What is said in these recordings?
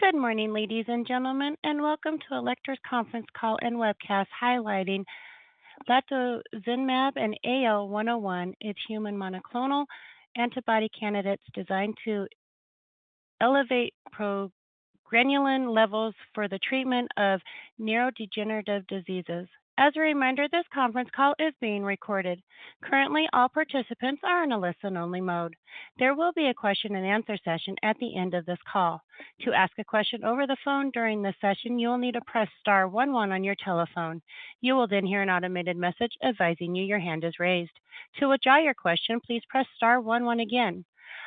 Good morning, ladies and gentlemen, and welcome to Alector conference call and webcast highlighting latozinemab and AL101, its human monoclonal antibody candidates designed to elevate progranulin levels for the treatment of neurodegenerative diseases. As a reminder, this conference call is being recorded. Currently, all participants are in a listen-only mode. There will be a question and answer session at the end of this call. To ask a question over the phone during this session, you will need to press star one one on your telephone. You will then hear an automated message advising you your hand is raised. To withdraw your question, please press star one one again.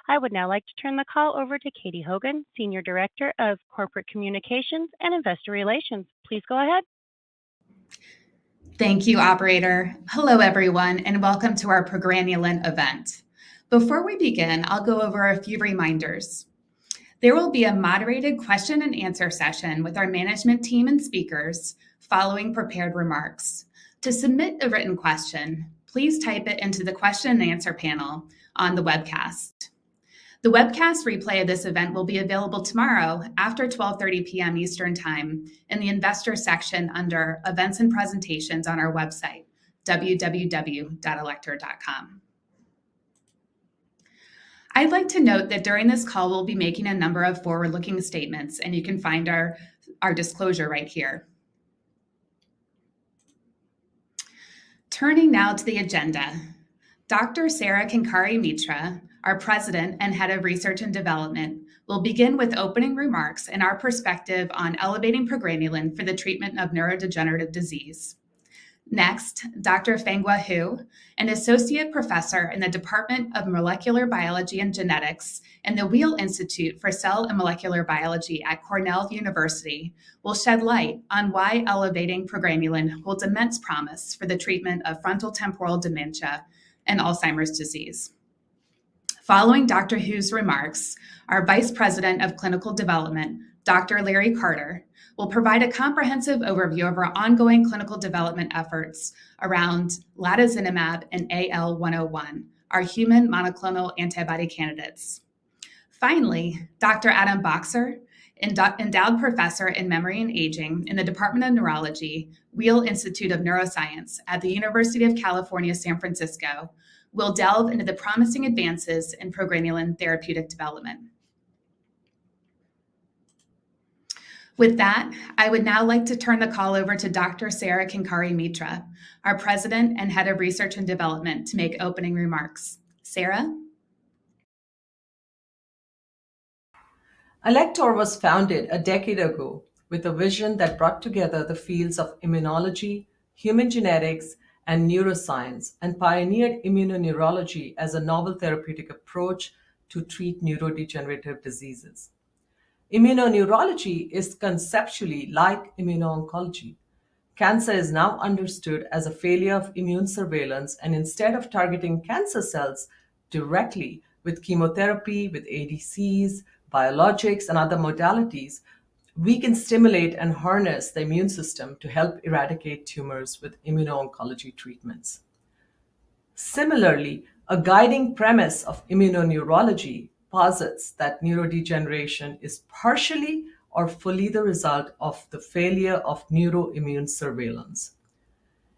I would now like to turn the call over to Katie Hogan, Senior Director of Corporate Communications and Investor Relations. Please go ahead. Thank you, operator. Hello, everyone, and welcome to our progranulin event. Before we begin, I'll go over a few reminders. There will be a moderated question and answer session with our management team and speakers following prepared remarks. To submit a written question, please type it into the question and answer panel on the webcast. The webcast replay of this event will be available tomorrow after 12:30 P.M. Eastern Time in the investor section under Events and Presentations on our website, www.allector.com. I'd like to note that during this call, we'll be making a number of forward-looking statements, and you can find our disclosure right here. Turning now to the agenda. Dr. Sara Kenkare-Mitra, our President and Head of Research and Development, will begin with opening remarks and our perspective on elevating progranulin for the treatment of neurodegenerative disease. Next, Dr. Fenghua Hu, an Associate Professor in the Department of Molecular Biology and Genetics and the Weill Institute for Cell and Molecular Biology at Cornell University, will shed light on why elevating progranulin holds immense promise for the treatment of frontotemporal dementia and Alzheimer's disease. Following Dr. Hu's remarks, our Vice President of Clinical Development, Dr. Larry Carter, will provide a comprehensive overview of our ongoing clinical development efforts around latozinemab and AL101, our human monoclonal antibody candidates. Finally, Dr. Adam Boxer, Endowed Professor in Memory and Aging in the Department of Neurology, Weill Institute of Neuroscience at the University of California, San Francisco, will delve into the promising advances in progranulin therapeutic development. With that, I would now like to turn the call over to Dr. Sara Kenkare-Mitra, our President and Head of Research and Development, to make opening remarks. Sara? Alector was founded a decade ago with a vision that brought together the fields of immunology, human genetics, and neuroscience, and pioneered immuno-neurology as a novel therapeutic approach to treat neurodegenerative diseases. Immuno-neurology is conceptually like immuno-oncology. Cancer is now understood as a failure of immune surveillance, and instead of targeting cancer cells directly with chemotherapy, with ADCs, biologics, and other modalities, we can stimulate and harness the immune system to help eradicate tumors with immuno-oncology treatments. Similarly, a guiding premise of immuno-neurology posits that neurodegeneration is partially or fully the result of the failure of neuroimmune surveillance.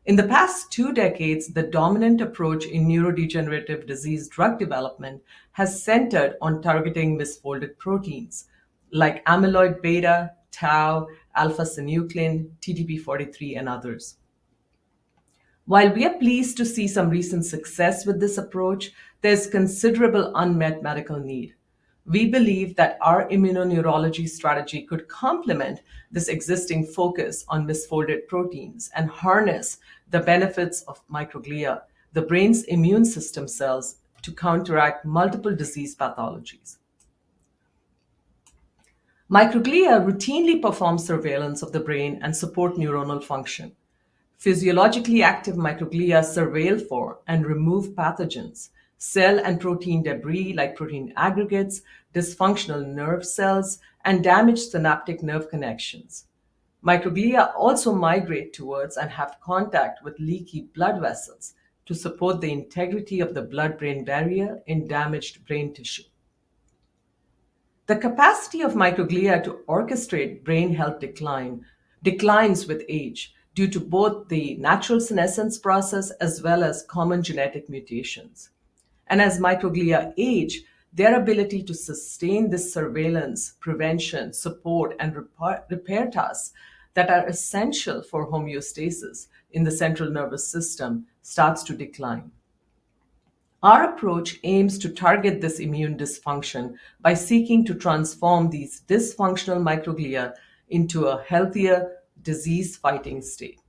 In the past two decades, the dominant approach in neurodegenerative disease drug development has centered on targeting misfolded proteins like amyloid beta, tau, alpha-synuclein, TDP-43, and others. While we are pleased to see some recent success with this approach, there's considerable unmet medical need. We believe that our immunoneurology strategy could complement this existing focus on misfolded proteins and harness the benefits of microglia, the brain's immune system cells, to counteract multiple disease pathologies. Microglia routinely perform surveillance of the brain and support neuronal function. Physiologically active microglia surveil for and remove pathogens, cell and protein debris like protein aggregates, dysfunctional nerve cells, and damaged synaptic nerve connections. Microglia also migrate towards and have contact with leaky blood vessels to support the integrity of the blood-brain barrier in damaged brain tissue. The capacity of microglia to orchestrate brain health decline declines with age due to both the natural senescence process as well as common genetic mutations. As microglia age, their ability to sustain the surveillance, prevention, support, and repair tasks that are essential for homeostasis in the central nervous system starts to decline. Our approach aims to target this immune dysfunction by seeking to transform these dysfunctional microglia into a healthier, disease-fighting state.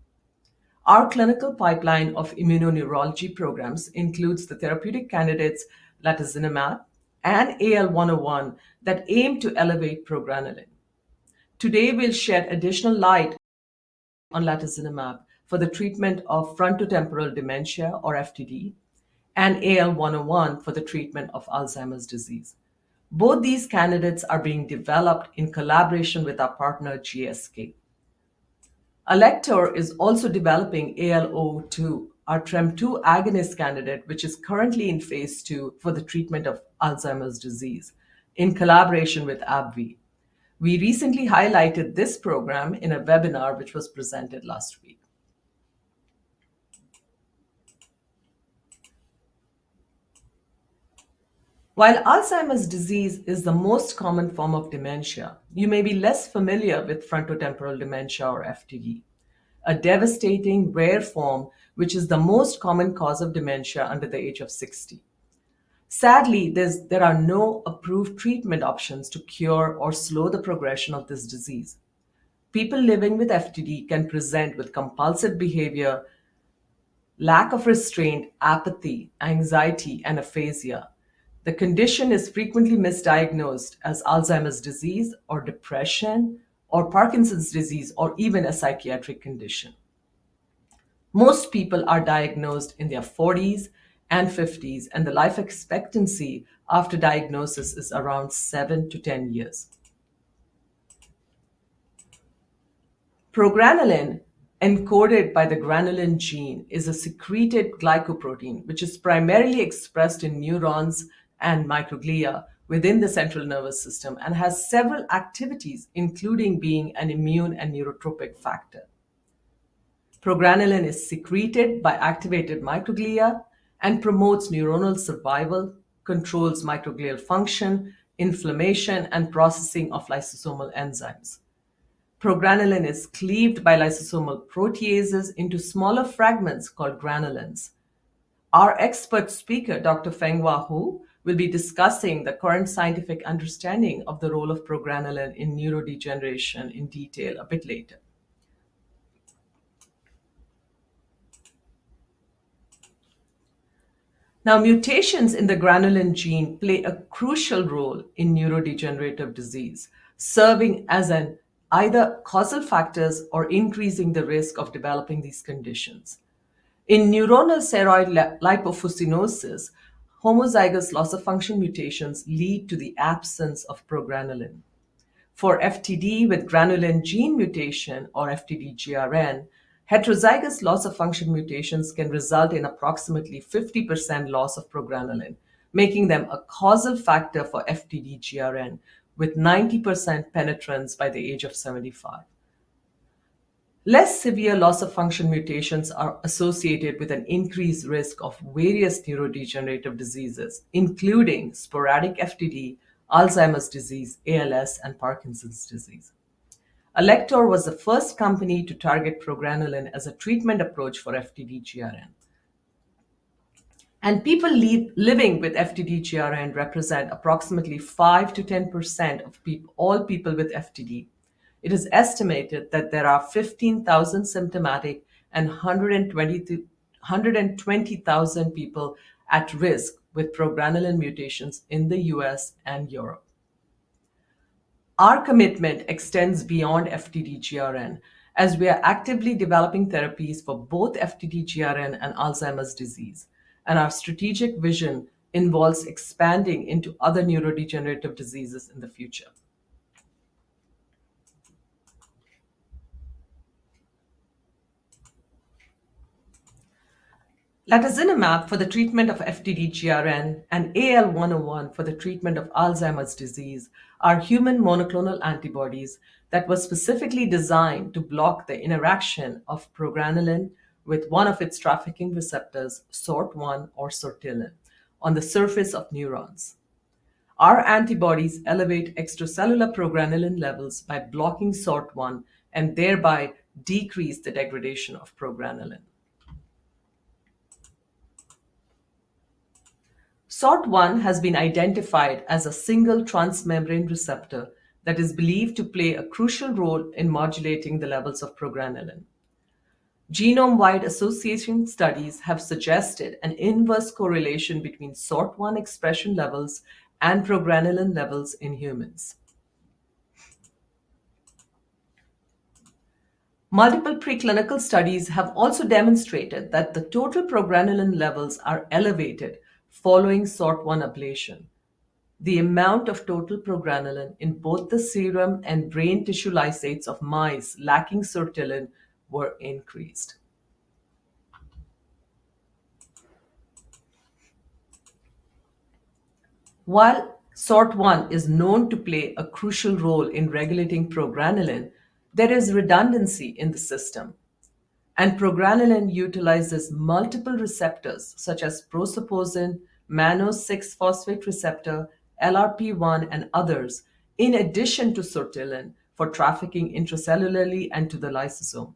Our clinical pipeline of immuno-neurology programs includes the therapeutic candidates, latozinemab and AL101, that aim to elevate progranulin. Today, we'll shed additional light on latozinemab for the treatment of frontotemporal dementia or FTD, and AL101 for the treatment of Alzheimer's disease. Both these candidates are being developed in collaboration with our partner, GSK. Alector is also developing AL002, our TREM2 agonist candidate, which is currently in phase 2 for the treatment of Alzheimer's disease in collaboration with AbbVie. We recently highlighted this program in a webinar, which was presented last week. While Alzheimer's disease is the most common form of dementia, you may be less familiar with frontotemporal dementia or FTD, a devastating, rare form, which is the most common cause of dementia under the age of 60. Sadly, there are no approved treatment options to cure or slow the progression of this disease. People living with FTD can present with compulsive behavior, lack of restraint, apathy, anxiety, and aphasia. The condition is frequently misdiagnosed as Alzheimer's disease or depression, or Parkinson's disease, or even a psychiatric condition. Most people are diagnosed in their forties and fifties, and the life expectancy after diagnosis is around 7-10 years. Progranulin, encoded by the granulin gene, is a secreted glycoprotein, which is primarily expressed in neurons and microglia within the central nervous system, and has several activities, including being an immune and neurotrophic factor. Progranulin is secreted by activated microglia and promotes neuronal survival, controls microglial function, inflammation, and processing of lysosomal enzymes. Progranulin is cleaved by lysosomal proteases into smaller fragments called granulins. Our expert speaker, Dr. Fenghua Hu, will be discussing the current scientific understanding of the role of progranulin in neurodegeneration in detail a bit later. Now, mutations in the granulin gene play a crucial role in neurodegenerative disease, serving as an either causal factors or increasing the risk of developing these conditions. In neuronal ceroid lipofuscinoses, homozygous loss-of-function mutations lead to the absence of progranulin. For FTD with granulin gene mutation or FTD-GRN, heterozygous loss-of-function mutations can result in approximately 50% loss of progranulin, making them a causal factor for FTD-GRN, with 90% penetrance by the age of 75. Less severe loss-of-function mutations are associated with an increased risk of various neurodegenerative diseases, including sporadic FTD, Alzheimer's disease, ALS, and Parkinson's disease. Alector was the first company to target progranulin as a treatment approach for FTD-GRN. People living with FTD-GRN represent approximately 5%-10% of all people with FTD. It is estimated that there are 15,000 symptomatic and 120,000 people at risk with progranulin mutations in the U.S. and Europe. Our commitment extends beyond FTD-GRN, as we are actively developing therapies for both FTD-GRN and Alzheimer's disease, and our strategic vision involves expanding into other neurodegenerative diseases in the future. Lecanemab, for the treatment of FTD-GRN, and AL101 for the treatment of Alzheimer's disease, are human monoclonal antibodies that were specifically designed to block the interaction of progranulin with one of its trafficking receptors, SORT1 or sortilin, on the surface of neurons. Our antibodies elevate extracellular progranulin levels by blocking SORT1, and thereby decrease the degradation of progranulin. SORT1 has been identified as a single transmembrane receptor that is believed to play a crucial role in modulating the levels of progranulin. Genome-wide association studies have suggested an inverse correlation between SORT1 expression levels and progranulin levels in humans. Multiple preclinical studies have also demonstrated that the total progranulin levels are elevated following SORT1 ablation. The amount of total progranulin in both the serum and brain tissue lysates of mice lacking sortilin was increased. While SORT1 is known to play a crucial role in regulating progranulin, there is redundancy in the system, and progranulin utilizes multiple receptors such as prosaposin, mannose-6-phosphate receptor, LRP1, and others, in addition to sortilin for trafficking intracellularly and to the lysosome.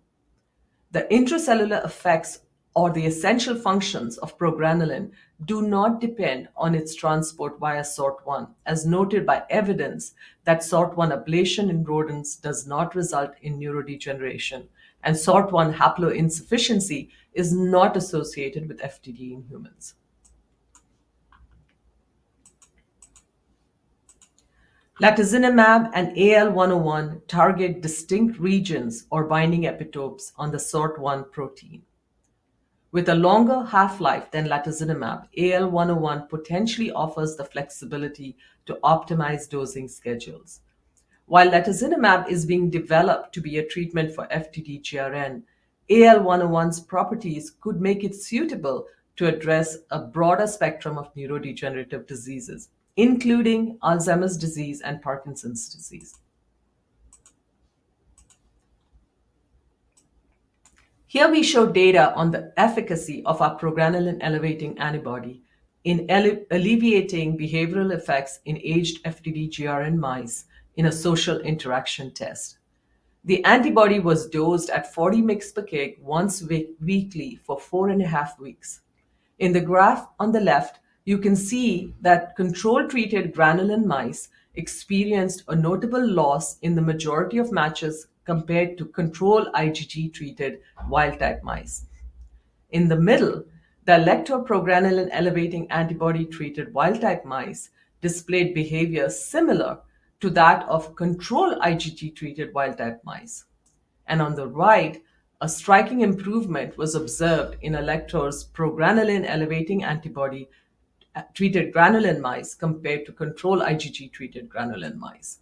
The intracellular effects or the essential functions of progranulin do not depend on its transport via SORT1, as noted by evidence that SORT1 ablation in rodents does not result in neurodegeneration, and SORT1 haploinsufficiency is not associated with FTD in humans. Lecanemab and AL101 target distinct regions or binding epitopes on the SORT1 protein... With a longer half-life than Lecanemab, AL101 potentially offers the flexibility to optimize dosing schedules. While lecanemab is being developed to be a treatment for FTD-GRN, AL101's properties could make it suitable to address a broader spectrum of neurodegenerative diseases, including Alzheimer's disease and Parkinson's disease. Here we show data on the efficacy of our progranulin elevating antibody in alleviating behavioral effects in aged FTD-GRN mice in a social interaction test. The antibody was dosed at 40 mg per kg once weekly for four and a half weeks. In the graph on the left, you can see that control-treated granulin mice experienced a notable loss in the majority of matches compared to control IgG-treated wild-type mice. In the middle, the Alector progranulin elevating antibody-treated wild-type mice displayed behavior similar to that of control IgG-treated wild-type mice. On the right, a striking improvement was observed in Alector's progranulin elevating antibody treated granulin mice compared to control IgG-treated granulin mice.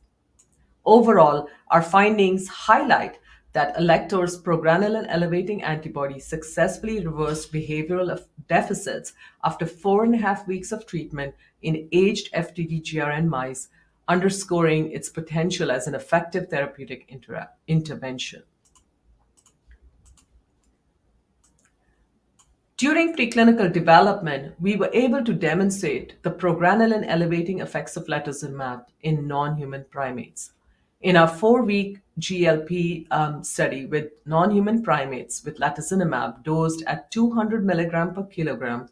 Overall, our findings highlight that Alector's progranulin elevating antibody successfully reversed behavioral deficits after 4.5 weeks of treatment in aged FTD-GRN mice, underscoring its potential as an effective therapeutic intervention. During preclinical development, we were able to demonstrate the progranulin elevating effects of latozinemab in non-human primates. In our 4-week GLP study with non-human primates with latozinemab dosed at 200 milligrams per kilogram,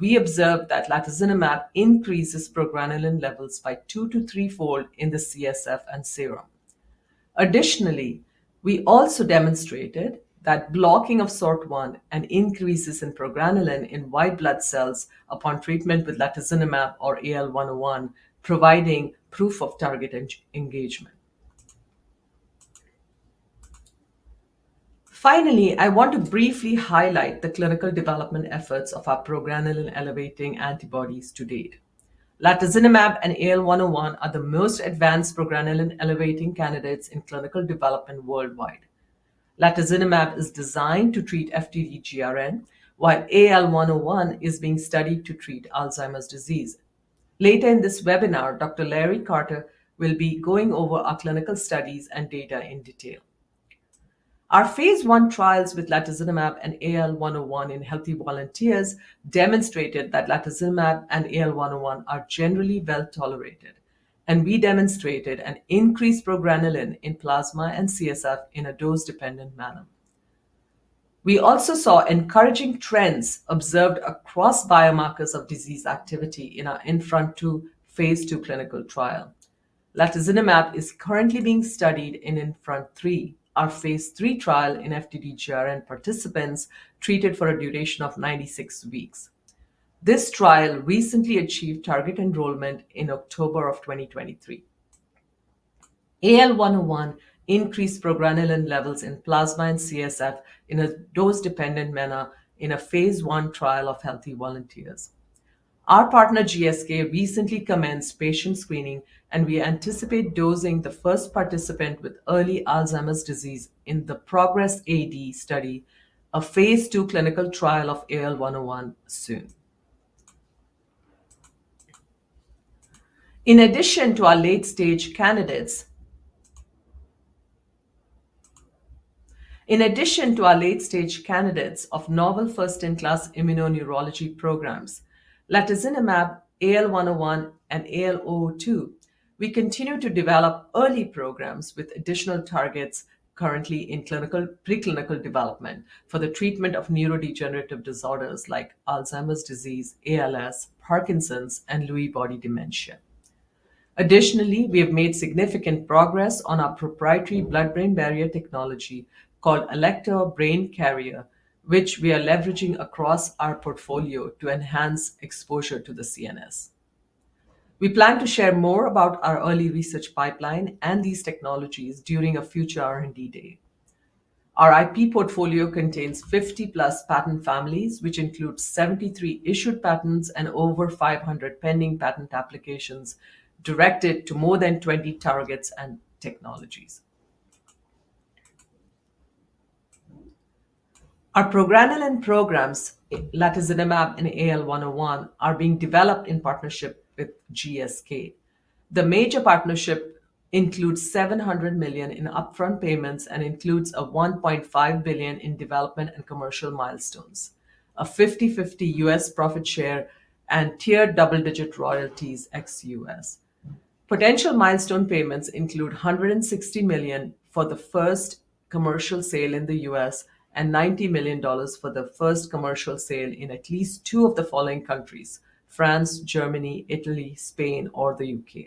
we observed that latozinemab increases progranulin levels by 2- to 3-fold in the CSF and serum. Additionally, we also demonstrated that blocking of SORT1 and increases in progranulin in white blood cells upon treatment with latozinemab or AL101, providing proof of target engagement. Finally, I want to briefly highlight the clinical development efforts of our progranulin elevating antibodies to date. Latozinemab and AL101 are the most advanced progranulin elevating candidates in clinical development worldwide. Latozinemab is designed to treat FTD-GRN, while AL101 is being studied to treat Alzheimer's disease. Later in this webinar, Dr. Larry Carter will be going over our clinical studies and data in detail. Our phase 1 trials with latozinemab and AL101 in healthy volunteers demonstrated that latozinemab and AL101 are generally well-tolerated, and we demonstrated an increased progranulin in plasma and CSF in a dose-dependent manner. We also saw encouraging trends observed across biomarkers of disease activity in our INFRONT-2 phase 2 clinical trial. Latozinemab is currently being studied in INFRONT-3, our phase 3 trial in FTD-GRN participants treated for a duration of 96 weeks. This trial recently achieved target enrollment in October 2023. AL101 increased progranulin levels in plasma and CSF in a dose-dependent manner in a phase 1 trial of healthy volunteers. Our partner, GSK, recently commenced patient screening, and we anticipate dosing the first participant with early Alzheimer's disease in the PROGRESS-AD study, a phase 2 clinical trial of AL101 soon. In addition to our late-stage candidates of novel first-in-class immuno-neurology programs, lecanemab, AL101, and AL002, we continue to develop early programs with additional targets currently in preclinical development for the treatment of neurodegenerative disorders like Alzheimer's disease, ALS, Parkinson's, and Lewy body dementia. Additionally, we have made significant progress on our proprietary blood-brain barrier technology called Alector Brain Carrier, which we are leveraging across our portfolio to enhance exposure to the CNS. We plan to share more about our early research pipeline and these technologies during a future R&D day. Our IP portfolio contains 50+ patent families, which includes 73 issued patents and over 500 pending patent applications, directed to more than 20 targets and technologies. Our progranulin programs, latozinemab and AL101, are being developed in partnership with GSK. The major partnership includes $700 million in upfront payments and includes a $1.5 billion in development and commercial milestones, a 50/50 U.S. profit share, and tiered double-digit royalties ex-US. Potential milestone payments include $160 million for the first commercial sale in the US and $90 million for the first commercial sale in at least two of the following countries: France, Germany, Italy, Spain, or the UK.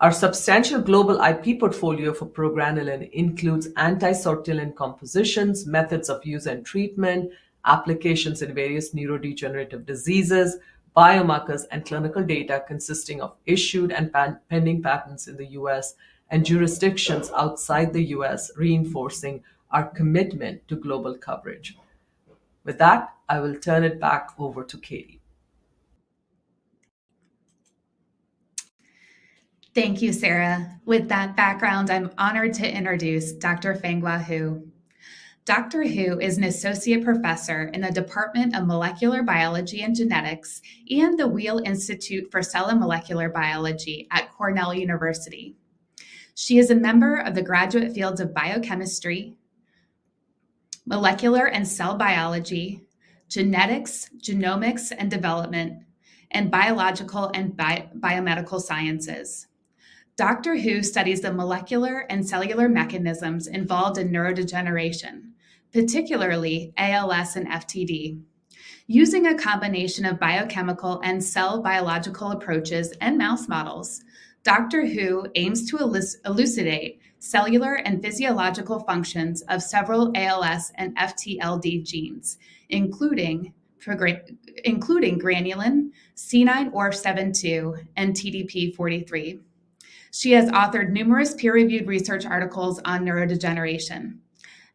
Our substantial global IP portfolio for progranulin includes anti-sortilin compositions, methods of use and treatment, applications in various neurodegenerative diseases, biomarkers, and clinical data consisting of issued and pending patents in the U.S. and jurisdictions outside the U.S., reinforcing our commitment to global coverage. With that, I will turn it back over to Katie. Thank you, Sarah. With that background, I'm honored to introduce Dr. Fenghua Hu. Dr. Hu is an associate professor in the Department of Molecular Biology and Genetics and the Weill Institute for Cell and Molecular Biology at Cornell University. She is a member of the graduate fields of biochemistry, molecular and cell biology, genetics, genomics and development, and biological and biomedical sciences. Dr. Hu studies the molecular and cellular mechanisms involved in neurodegeneration, particularly ALS and FTD. Using a combination of biochemical and cell biological approaches and mouse models, Dr. Hu aims to elucidate cellular and physiological functions of several ALS and FTLD genes, including granulin, C9orf72, and TDP-43. She has authored numerous peer-reviewed research articles on neurodegeneration.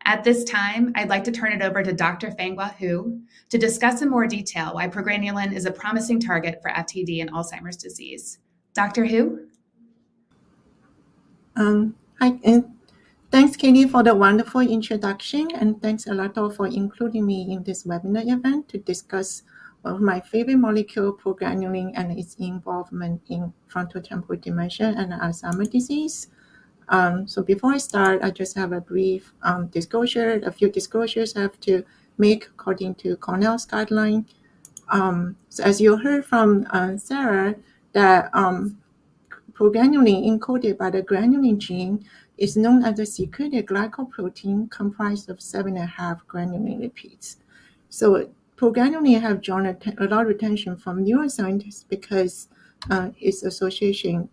At this time, I'd like to turn it over to Dr. Fenghua Hu to discuss in more detail why progranulin is a promising target for FTD and Alzheimer's disease. Dr. Hu? Hi, and thanks, Katie, for the wonderful introduction, and thanks a lot for including me in this webinar event to discuss, my favorite molecule, progranulin, and its involvement in frontotemporal dementia and Alzheimer's disease. So before I start, I just have a brief disclosure, a few disclosures I have to make according to Cornell's guideline. So as you heard from, Sara, that, progranulin, encoded by the granulin gene, is known as a secreted glycoprotein comprised of 7.5 granulin repeats. So progranulin have drawn a lot of attention from neuroscientists because, its association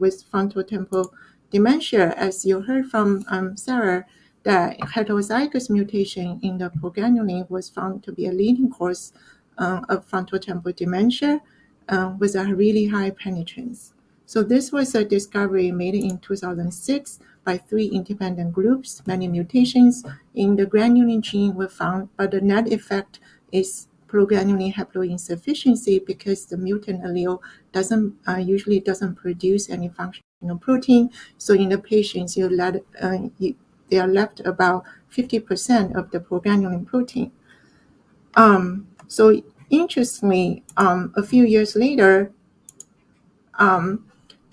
with frontotemporal dementia. As you heard from, Sara, that heterozygous mutation in the progranulin was found to be a leading cause, of frontotemporal dementia, with a really high penetrance. So this was a discovery made in 2006 by three independent groups. Many mutations in the granulin gene were found, but the net effect is progranulin haploinsufficiency, because the mutant allele doesn't usually produce any functional protein. So in the patients, they are left about 50% of the progranulin protein. So interestingly, a few years later,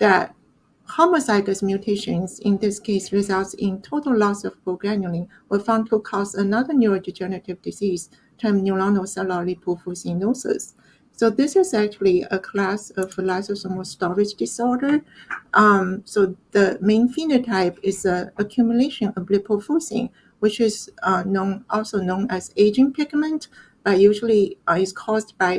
that homozygous mutations in this case results in total loss of progranulin, were found to cause another neurodegenerative disease termed neuronal ceroid lipofuscinosis. So this is actually a class of lysosomal storage disorder. So the main phenotype is the accumulation of lipofuscin, which is also known as aging pigment, but usually is caused by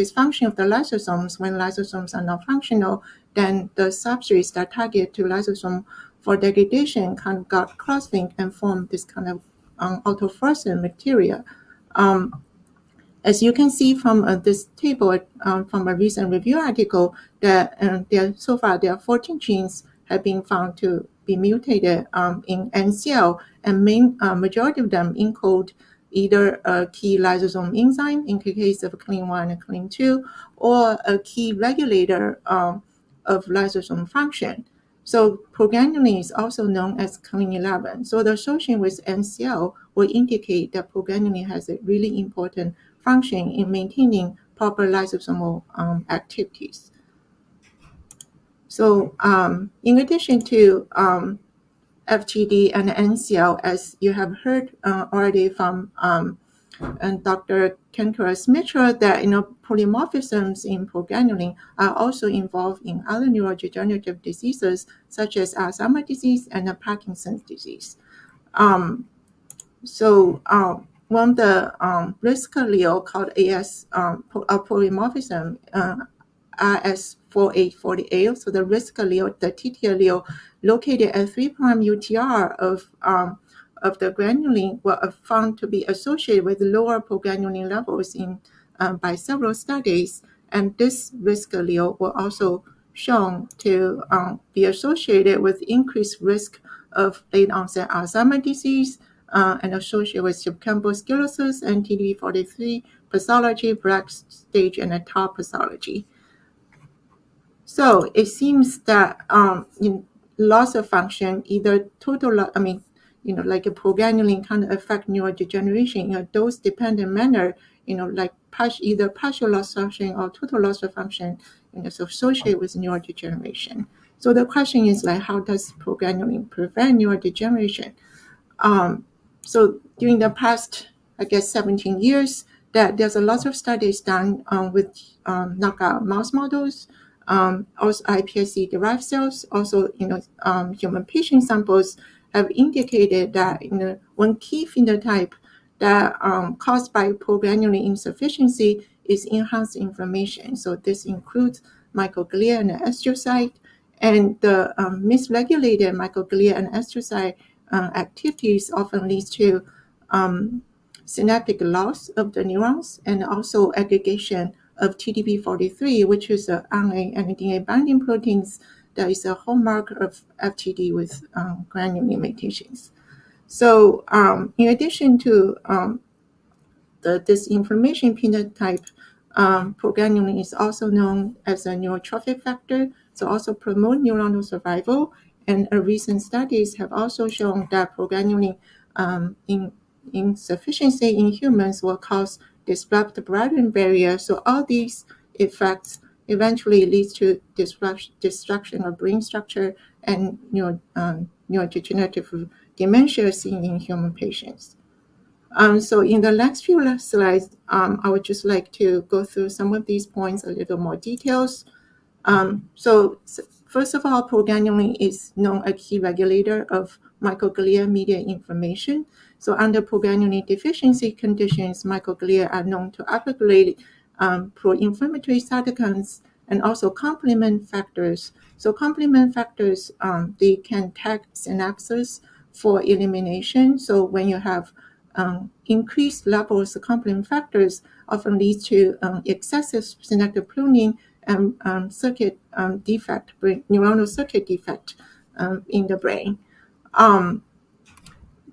dysfunction of the lysosomes. When lysosomes are non-functional, then the substrates that target to lysosome for degradation can get crossing and form this kind of autofluorescent material. As you can see from this table, from a recent review article, that there are so far 14 genes have been found to be mutated in NCL, and main majority of them encode either a key lysosome enzyme, in the case of CLN1 and CLN2, or a key regulator of lysosome function. So progranulin is also known as CLN11. So the association with NCL will indicate that progranulin has a really important function in maintaining proper lysosomal activities. So in addition to FTD and NCL, as you have heard already from Dr. Sara Kenkare-Mitra, that, you know, polymorphisms in progranulin are also involved in other neurodegenerative diseases such as Alzheimer's disease and Parkinson's disease. The risk allele called rs4848, a polymorphism. So the risk allele, the T/T allele, located at 3' UTR of the granulin, were found to be associated with lower progranulin levels by several studies, and this risk allele were also shown to be associated with increased risk of late-onset Alzheimer's disease, and associated with subcortical sclerosis and TDP-43 pathology, Braak stage, and tau pathology. So it seems that, in loss of function, either total I mean, you know, like a progranulin kind of affect neurodegeneration in a dose-dependent manner, you know, like partial, either partial loss of function or total loss of function, and it's associated with neurodegeneration. So the question is, like, how does progranulin prevent neurodegeneration? So during the past, I guess, 17 years, there, there's a lot of studies done, with, knockout mouse models, also iPSC-derived cells. Also, you know, human patient samples have indicated that, you know, one key phenotype that, caused by progranulin insufficiency is enhanced inflammation. So this includes microglia and astrocyte, and the misregulated microglia and astrocyte activities often leads to synaptic loss of the neurons and also aggregation of TDP-43, which is a RNA and DNA binding proteins that is a hallmark of FTD with granulin mutations. So, in addition to the this inflammation phenotype, progranulin is also known as a neurotrophic factor, so also promote neuronal survival. And a recent studies have also shown that progranulin insufficiency in humans will cause disrupt the blood-brain barrier. So all these effects eventually leads to destruction, destruction of brain structure and neuro neurodegenerative dementia seen in human patients. So in the last few left slides, I would just like to go through some of these points a little more details. So first of all, progranulin is known a key regulator of microglia-mediated inflammation. So under progranulin deficiency conditions, microglia are known to upregulate pro-inflammatory cytokines and also complement factors. So complement factors, they can tag synapses for elimination. So when you have increased levels of complement factors, often lead to excessive synaptic pruning and circuit defect with neuronal circuit defect in the brain.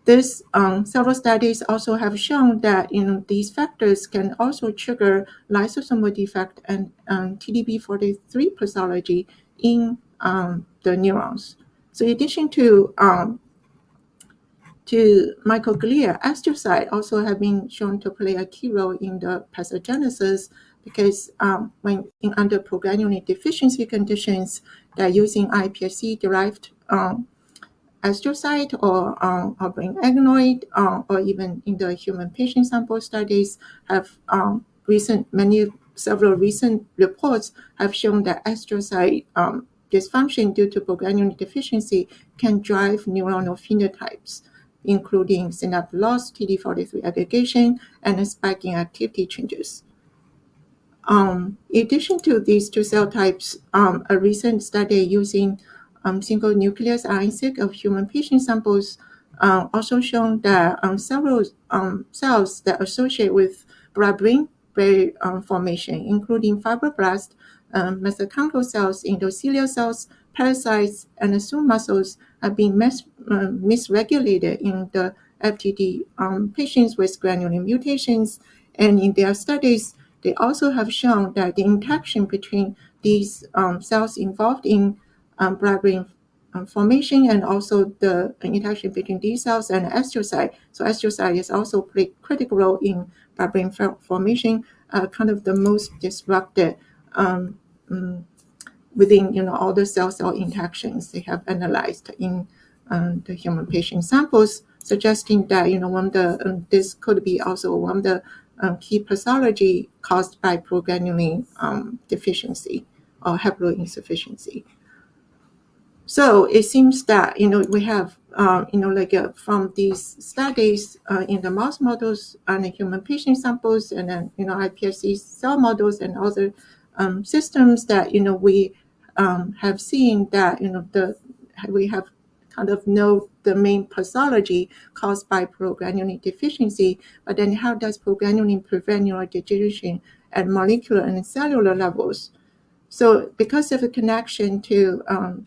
Several studies also have shown that, you know, these factors can also trigger lysosomal defect and TDP-43 pathology in the neurons. So in addition to to microglia, astrocyte also have been shown to play a key role in the pathogenesis because when under progranulin deficiency conditions, they're using iPSC-derived astrocyte or or brain organoid or even in the human patient sample studies have several recent reports have shown that astrocyte dysfunction due to progranulin deficiency can drive neuronal phenotypes, including synapse loss, TDP-43 aggregation, and spiking activity changes. In addition to these two cell types, a recent study using single-nucleus RNA-seq of human patient samples also shown that several cells that associate with blood-brain barrier formation, including fibroblast, mural cells, endothelial cells, pericytes, and smooth muscles have been misregulated in the FTD patients with granulin mutations. In their studies, they also have shown that the interaction between these cells involved in blood-brain barrier formation and also the interaction between these cells and astrocyte. So astrocyte is also play critical role in blood-brain barrier formation kind of the most disrupted within, you know, all the cell-cell interactions they have analyzed in the human patient samples, suggesting that, you know, one of the this could be also one of the key pathology caused by progranulin deficiency or haploinsufficiency. So it seems that, you know, we have you know, like, from these studies in the mouse models and the human patient samples, and then, you know, iPSC cell models and other systems that, you know, we have seen that, you know, we have kind of know the main pathology caused by progranulin deficiency. But then how does progranulin prevent neurodegeneration at molecular and cellular levels? So because of the connection to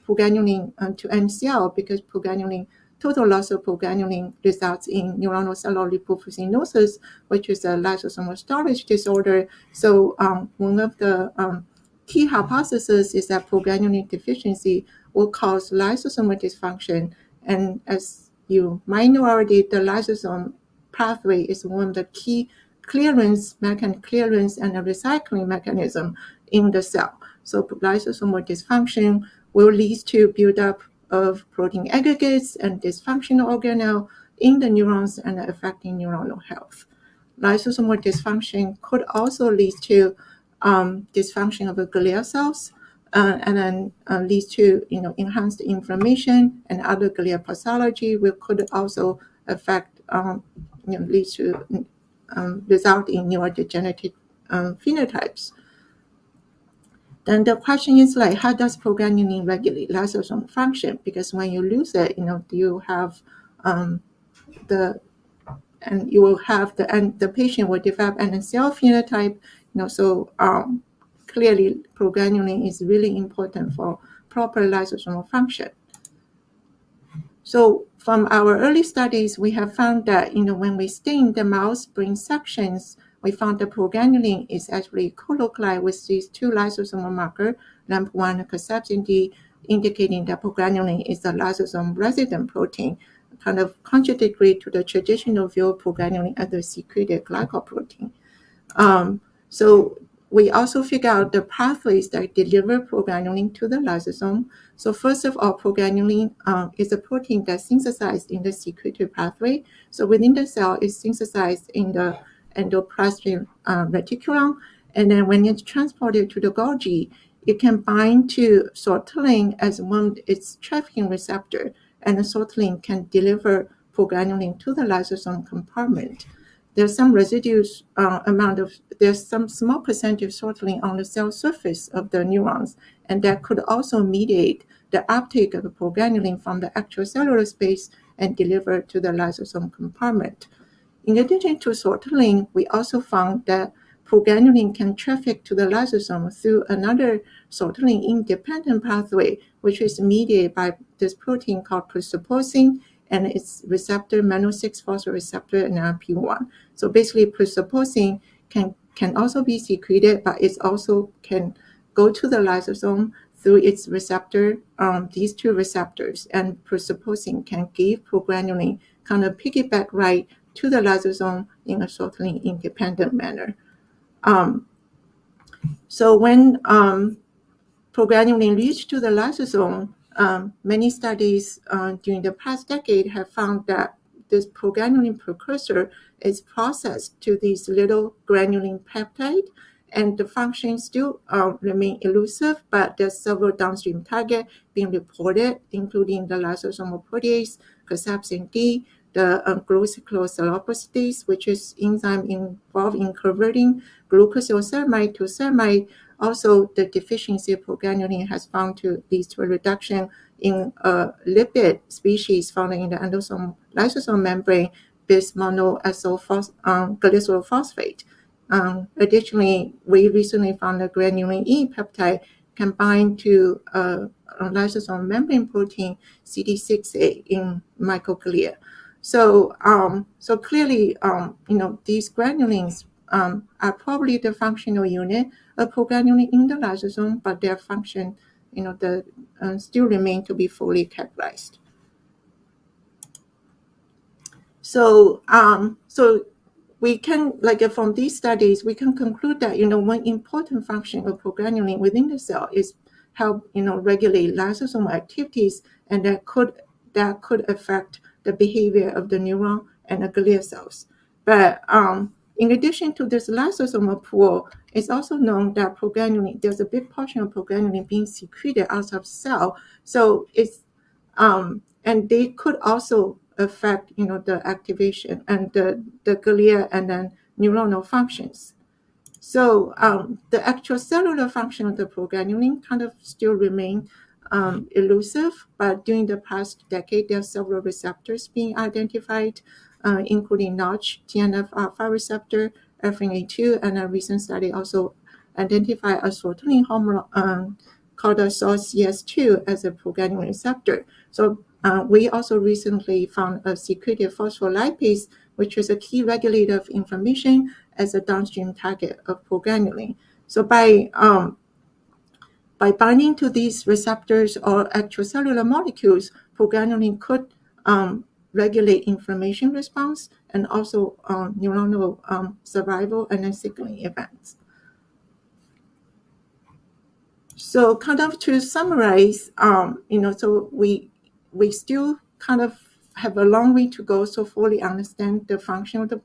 progranulin to NCL, because progranulin, total loss of progranulin results in neuronal ceroid lipofuscinosis, which is a lysosomal storage disorder. So one of the key hypothesis is that progranulin deficiency will cause lysosomal dysfunction. And as you might know already, the lysosome pathway is one of the key clearance and a recycling mechanism in the cell. So lysosomal dysfunction will lead to build up of protein aggregates and dysfunctional organelle in the neurons and affecting neuronal health. Lysosomal dysfunction could also lead to dysfunction of the glial cells, and then leads to, you know, enhanced inflammation and other glial pathology, which could also affect, you know, lead to result in neurodegenerative phenotypes. Then the question is like, how does progranulin regulate lysosome function? Because when you lose it, you know, you have, and the patient will develop NCL phenotype. You know, so, clearly, progranulin is really important for proper lysosomal function. So from our early studies, we have found that, you know, when we stain the mouse brain sections, we found the progranulin is actually colocalized with these two lysosomal marker. Number one, cathepsin D, indicating that progranulin is a lysosome resident protein, kind of contradictory to the traditional view of progranulin as a secreted glycoprotein. So we also figure out the pathways that deliver progranulin to the lysosome. So first of all, progranulin is a protein that's synthesized in the secretory pathway. So within the cell, it's synthesized in the endoplasmic reticulum, and then when it's transported to the Golgi, it can bind to sortilin as one its trafficking receptor, and the sortilin can deliver progranulin to the lysosome compartment. There's some small percentage of sortilin on the cell surface of the neurons, and that could also mediate the uptake of the progranulin from the extracellular space and deliver it to the lysosome compartment. In addition to sortilin, we also found that progranulin can traffic to the lysosome through another sortilin-independent pathway, which is mediated by this protein called prosaposin, and its receptor, mannose-6-phosphate receptor, M6PR. So basically, prosaposin can also be secreted, but it also can go to the lysosome through its receptor, these two receptors. Prosaposin can give progranulin, kind of piggyback right to the lysosome in a sortilin-independent manner. So when progranulin reach to the lysosome, many studies during the past decade have found that this progranulin precursor is processed to these little granulin peptide, and the functions still remain elusive. But there are several downstream target being reported, including the lysosomal protease, cathepsin D, the glucocerebrosidase, which is enzyme involved in converting glucosylceramide to ceramide. Also, the deficiency of progranulin has found to lead to a reduction in lipid species found in the endosome lysosome membrane, this monoacylphosph glycerol phosphate. Additionally, we recently found a granulin E peptide can bind to a lysosome membrane protein CD68 in microglia. So, so clearly, you know, these granulins are probably the functional unit of progranulin in the lysosome, but their function, you know, still remain to be fully characterized. So, so we can like from these studies, we can conclude that, you know, one important function of progranulin within the cell is how, you know, regulate lysosomal activities, and that could, that could affect the behavior of the neuron and the glial cells. But, in addition to this lysosomal pool, it's also known that progranulin, there's a big portion of progranulin being secreted out of cell. So it's, And they could also affect, you know, the activation and the, the glial and the neuronal functions. So, the extracellular function of the progranulin kind of still remain elusive, but during the past decade, there are several receptors being identified, including Notch, TNF, five receptor, ephrin A2, and a recent study also identify a sortilin homolog, called SORCS2 as a progranulin receptor. So, we also recently found a secreted phospholipase, which is a key regulator of inflammation as a downstream target of progranulin. So by binding to these receptors or extracellular molecules, progranulin could regulate inflammation response and also neuronal survival and then signaling events. So kind of to summarize, you know, so we still kind of have a long way to go to fully understand the function of the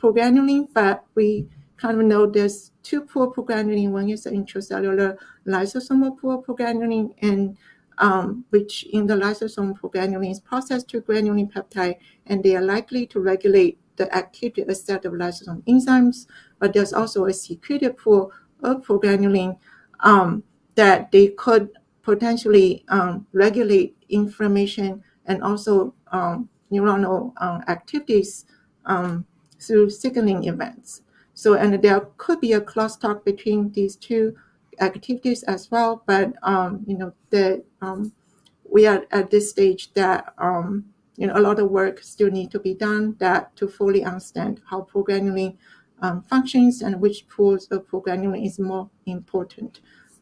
progranulin, but we kind of know there's two pool progranulin. One is the intracellular lysosomal pool progranulin, and which in the lysosome, progranulin is processed through granulin peptide, and they are likely to regulate the activity of a set of lysosome enzymes. But there's also a secreted pool of progranulin that they could potentially regulate inflammation and also neuronal activities through signaling events. So, and there could be a crosstalk between these two activities as well, but you know, that we are at this stage that you know, a lot of work still need to be done to fully understand how progranulin functions and which pools of progranulin is more important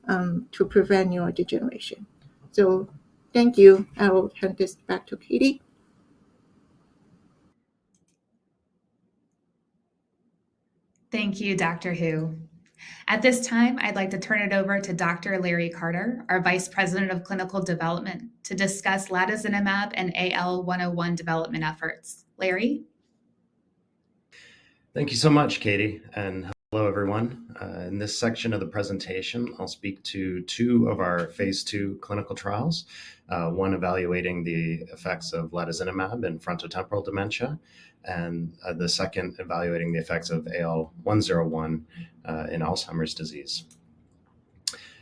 to prevent neurodegeneration. So thank you. I will hand this back to Katie. Thank you, Dr. Hu. At this time, I'd like to turn it over to Dr. Larry Carter, our Vice President of Clinical Development, to discuss lecanemab and AL101 development efforts. Larry? Thank you so much, Katie, and hello, everyone. In this section of the presentation, I'll speak to two of our phase 2 clinical trials. One, evaluating the effects of lecanemab in frontotemporal dementia, and the second, evaluating the effects of AL101 in Alzheimer's disease.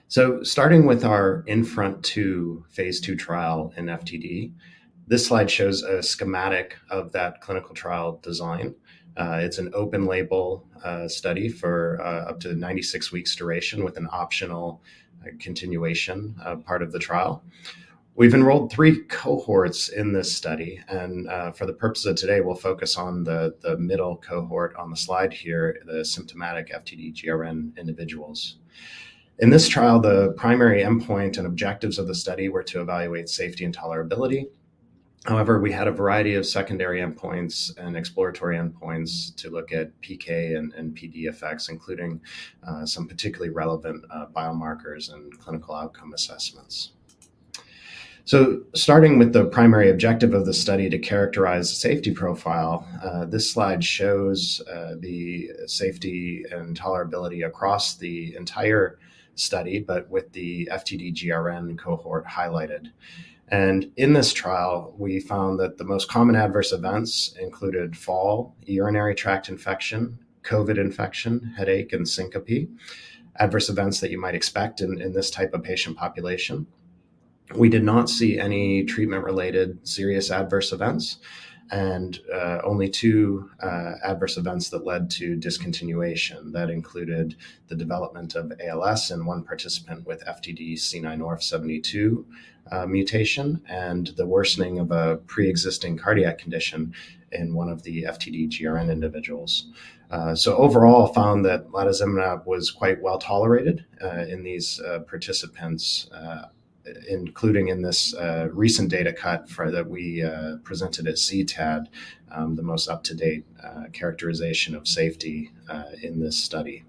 So starting with our INFRONT-2 phase 2 trial in FTD, this slide shows a schematic of that clinical trial design. It's an open-label study for up to 96 weeks duration with an optional continuation part of the trial. We've enrolled 3 cohorts in this study, and for the purposes of today, we'll focus on the middle cohort on the slide here, the symptomatic FTD-GRN individuals. In this trial, the primary endpoint and objectives of the study were to evaluate safety and tolerability. However, we had a variety of secondary endpoints and exploratory endpoints to look at PK and PD effects, including some particularly relevant biomarkers and clinical outcome assessments. So starting with the primary objective of the study to characterize the safety profile, this slide shows the safety and tolerability across the entire study, but with the FTD-GRN cohort highlighted. In this trial, we found that the most common adverse events included fall, urinary tract infection, COVID infection, headache, and syncope, adverse events that you might expect in this type of patient population. We did not see any treatment-related serious adverse events, and only two adverse events that led to discontinuation. That included the development of ALS in one participant with FTD C9orf72 mutation, and the worsening of a pre-existing cardiac condition in one of the FTD-GRN individuals. So overall, found that latozinemab was quite well-tolerated in these participants, including in this recent data cut for that we presented at CTAD, the most up-to-date characterization of safety in this study.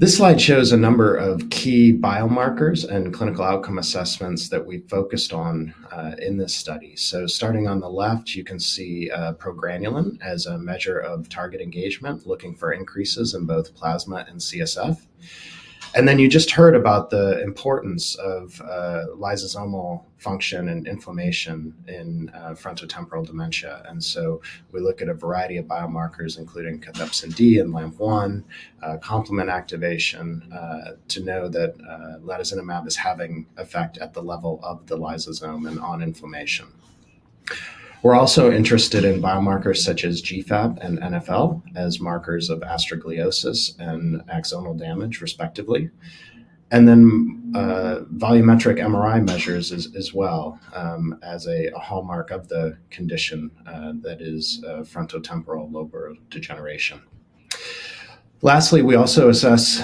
This slide shows a number of key biomarkers and clinical outcome assessments that we focused on in this study. So starting on the left, you can see progranulin as a measure of target engagement, looking for increases in both plasma and CSF. And then you just heard about the importance of lysosomal function and inflammation in frontotemporal dementia. And so we look at a variety of biomarkers, including cathepsin D and LAMP1, complement activation, to know that latozinemab is having effect at the level of the lysosome and on inflammation. We're also interested in biomarkers such as GFAP and NfL as markers of astrogliosis and axonal damage, respectively. And then, volumetric MRI measures as well as a hallmark of the condition that is frontotemporal lobar degeneration. Lastly, we also assess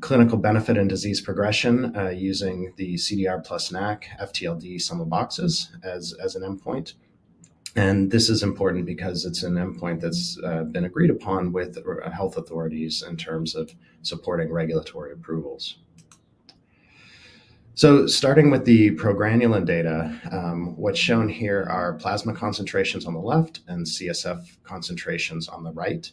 clinical benefit and disease progression using the CDR plus NACC FTLD Sum of Boxes as an endpoint. And this is important because it's an endpoint that's been agreed upon with health authorities in terms of supporting regulatory approvals. So starting with the progranulin data, what's shown here are plasma concentrations on the left and CSF concentrations on the right.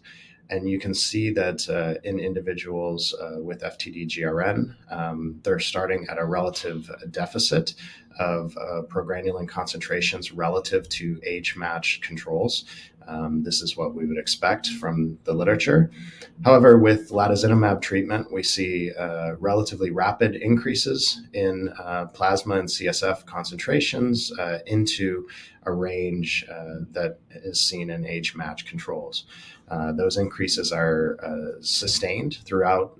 And you can see that in individuals with FTD GRN, they're starting at a relative deficit of progranulin concentrations relative to age-matched controls. This is what we would expect from the literature. However, with aducanumab treatment, we see relatively rapid increases in plasma and CSF concentrations into a range that is seen in age-matched controls. Those increases are sustained throughout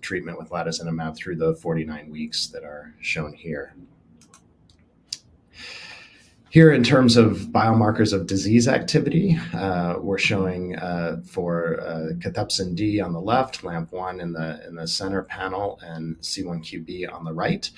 treatment with aducanumab through the 49 weeks that are shown here. Here, in terms of biomarkers of disease activity, we're showing for cathepsin D on the left, LAMP1 in the center panel, and C1QB on the right.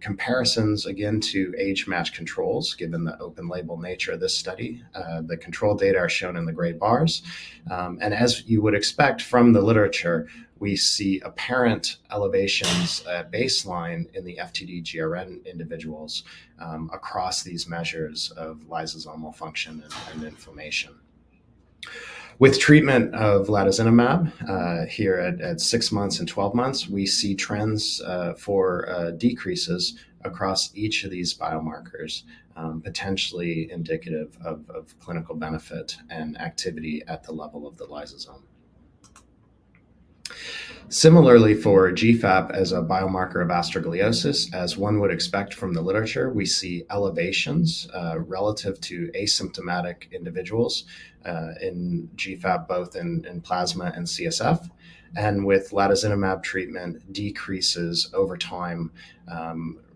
Comparisons again to age-matched controls, given the open label nature of this study. The control data are shown in the gray bars. And as you would expect from the literature, we see apparent elevations at baseline in the FTD-GRN individuals across these measures of lysosomal function and inflammation. With treatment of aducanumab, here at 6 months and 12 months, we see trends for decreases across each of these biomarkers, potentially indicative of clinical benefit and activity at the level of the lysosome. Similarly, for GFAP as a biomarker of astrogliosis, as one would expect from the literature, we see elevations relative to asymptomatic individuals in GFAP, both in plasma and CSF. And with aducanumab treatment, decreases over time,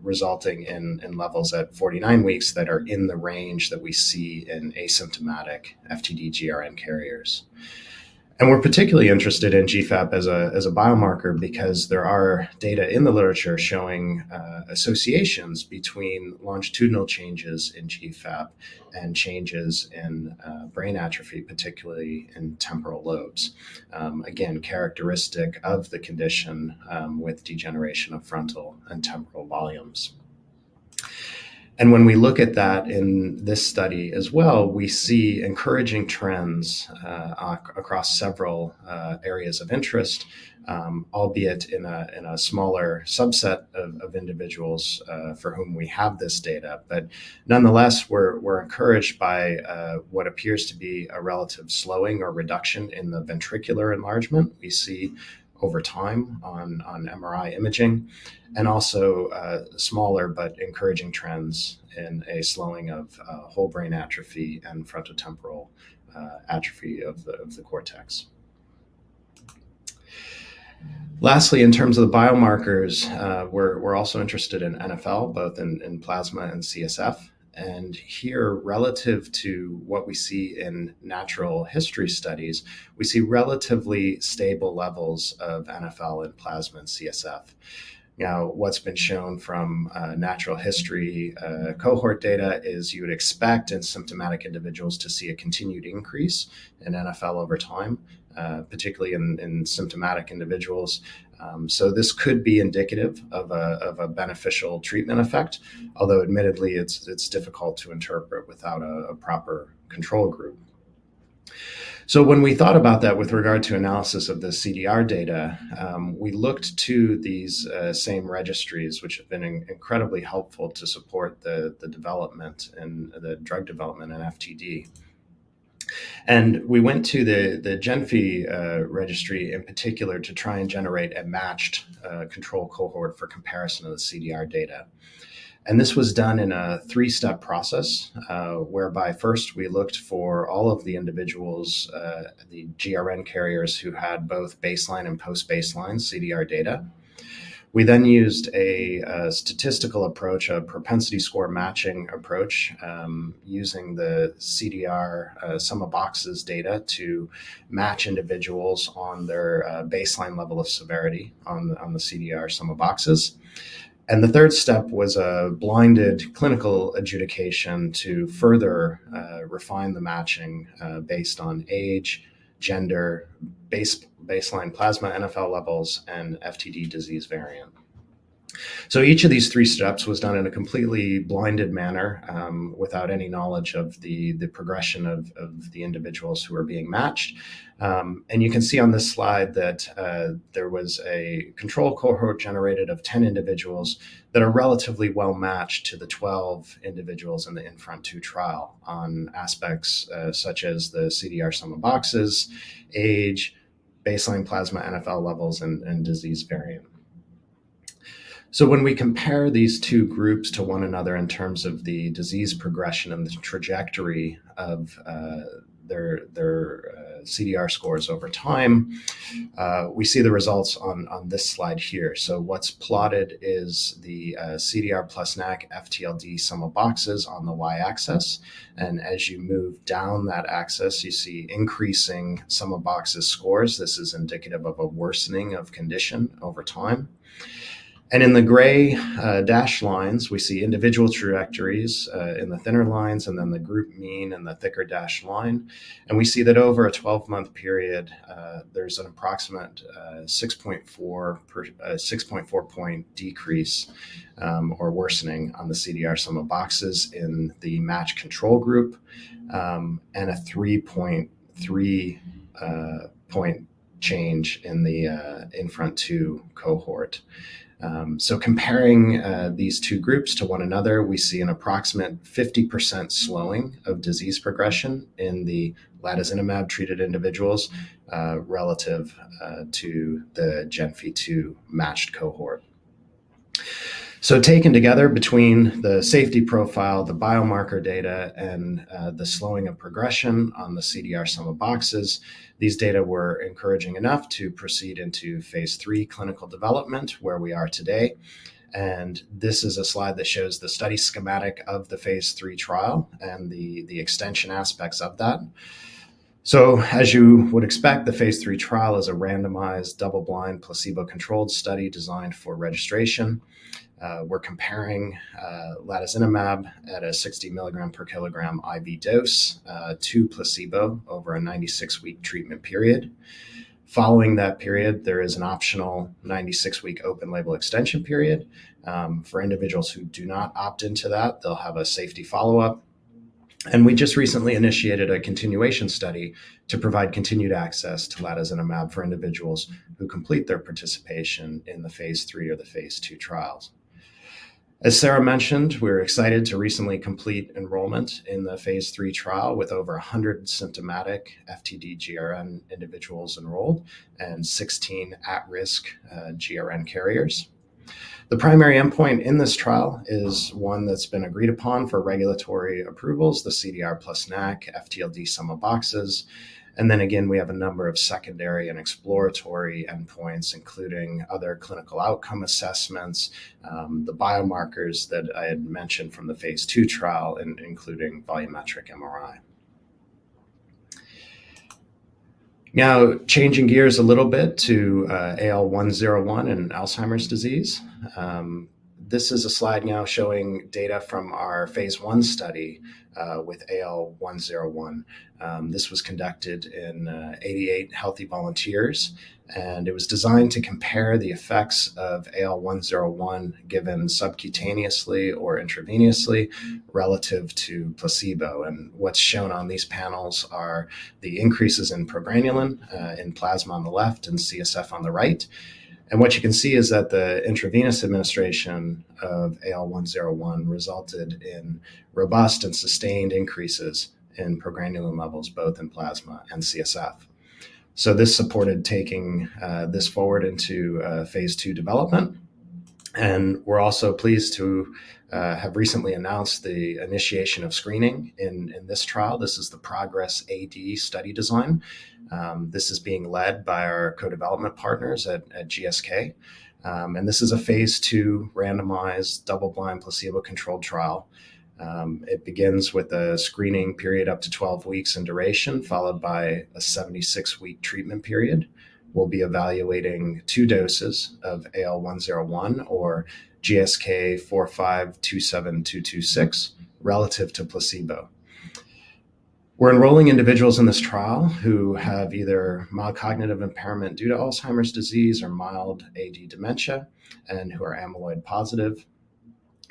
resulting in levels at 49 weeks that are in the range that we see in asymptomatic FTD-GRN carriers. And we're particularly interested in GFAP as a biomarker because there are data in the literature showing associations between longitudinal changes in GFAP and changes in brain atrophy, particularly in temporal lobes. Again, characteristic of the condition, with degeneration of frontal and temporal volumes. When we look at that in this study as well, we see encouraging trends across several areas of interest, albeit in a smaller subset of individuals for whom we have this data. Nonetheless, we're encouraged by what appears to be a relative slowing or reduction in the ventricular enlargement we see over time on MRI imaging, and also smaller but encouraging trends in a slowing of whole brain atrophy and frontotemporal atrophy of the cortex. Lastly, in terms of the biomarkers, we're also interested in NfL, both in plasma and CSF. Here, relative to what we see in natural history studies, we see relatively stable levels of NfL in plasma and CSF. Now, what's been shown from natural history cohort data is you would expect in symptomatic individuals to see a continued increase in NfL over time, particularly in symptomatic individuals. So this could be indicative of a beneficial treatment effect, although admittedly, it's difficult to interpret without a proper control group. So when we thought about that with regard to analysis of the CDR data, we looked to these same registries, which have been incredibly helpful to support the development and the drug development in FTD. And we went to the GENFI registry in particular, to try and generate a matched control cohort for comparison of the CDR data. This was done in a three-step process, whereby first we looked for all of the individuals, the GRN carriers who had both baseline and post-baseline CDR data. We then used a statistical approach, a propensity score matching approach, using the CDR Sum of Boxes data to match individuals on their baseline level of severity on the CDR Sum of Boxes. The third step was a blinded clinical adjudication to further refine the matching, based on age, gender, baseline plasma NfL levels, and FTD disease variant. Each of these three steps was done in a completely blinded manner, without any knowledge of the progression of the individuals who were being matched. And you can see on this slide that there was a control cohort generated of 10 individuals that are relatively well-matched to the 12 individuals in the INFRONT-2 trial on aspects such as the CDR sum of boxes, age, baseline plasma NfL levels, and disease variant. So when we compare these two groups to one another in terms of the disease progression and the trajectory of their CDR scores over time, we see the results on this slide here. So what's plotted is the CDR plus NACC FTLD sum of boxes on the Y-axis, and as you move down that axis, you see increasing sum of boxes scores. This is indicative of a worsening of condition over time. And in the gray dashed lines, we see individual trajectories in the thinner lines, and then the group mean in the thicker dashed line. And we see that over a 12-month period, there's an approximate 6.4-point decrease, or worsening on the CDR sum of boxes in the matched control group, and a 3.3-point change in the INFRONT 2 cohort. So comparing these two groups to one another, we see an approximate 50% slowing of disease progression in the latozinemab treated individuals, relative to the GenFI 2 matched cohort. So taken together between the safety profile, the biomarker data, and the slowing of progression on the CDR sum of boxes, these data were encouraging enough to proceed into phase 3 clinical development, where we are today. This is a slide that shows the study schematic of the phase 3 trial and the extension aspects of that. As you would expect, the phase 3 trial is a randomized, double-blind, placebo-controlled study designed for registration. We're comparing latozinemab at a 60 mg/kg IV dose to placebo over a 96-week treatment period. Following that period, there is an optional 96-week open label extension period. For individuals who do not opt into that, they'll have a safety follow-up. And we just recently initiated a continuation study to provide continued access to latozinemab for individuals who complete their participation in the phase 3 or the phase 2 trials. As Sara mentioned, we're excited to recently complete enrollment in the phase 3 trial, with over 100 symptomatic FTD-GRN individuals enrolled and 16 at-risk GRN carriers. The primary endpoint in this trial is one that's been agreed upon for regulatory approvals, the CDR plus NACC FTLD sum of boxes. Then again, we have a number of secondary and exploratory endpoints, including other clinical outcome assessments, the biomarkers that I had mentioned from the phase 2 trial including volumetric MRI. Now, changing gears a little bit to AL101 and Alzheimer's disease. This is a slide now showing data from our phase 1 study with AL101. This was conducted in 88 healthy volunteers, and it was designed to compare the effects of AL101, given subcutaneously or intravenously, relative to placebo. What's shown on these panels are the increases in progranulin in plasma on the left and CSF on the right. What you can see is that the intravenous administration of AL101 resulted in robust and sustained increases in progranulin levels, both in plasma and CSF. So this supported taking this forward into phase 2 development. We're also pleased to have recently announced the initiation of screening in this trial. This is the PROGRESS-AD study design. This is being led by our co-development partners at GSK. This is a phase 2 randomized, double-blind, placebo-controlled trial. It begins with a screening period up to 12 weeks in duration, followed by a 76-week treatment period. We'll be evaluating two doses of AL101 or GSK4527226, relative to placebo. We're enrolling individuals in this trial who have either mild cognitive impairment due to Alzheimer's disease or mild AD dementia and who are amyloid positive.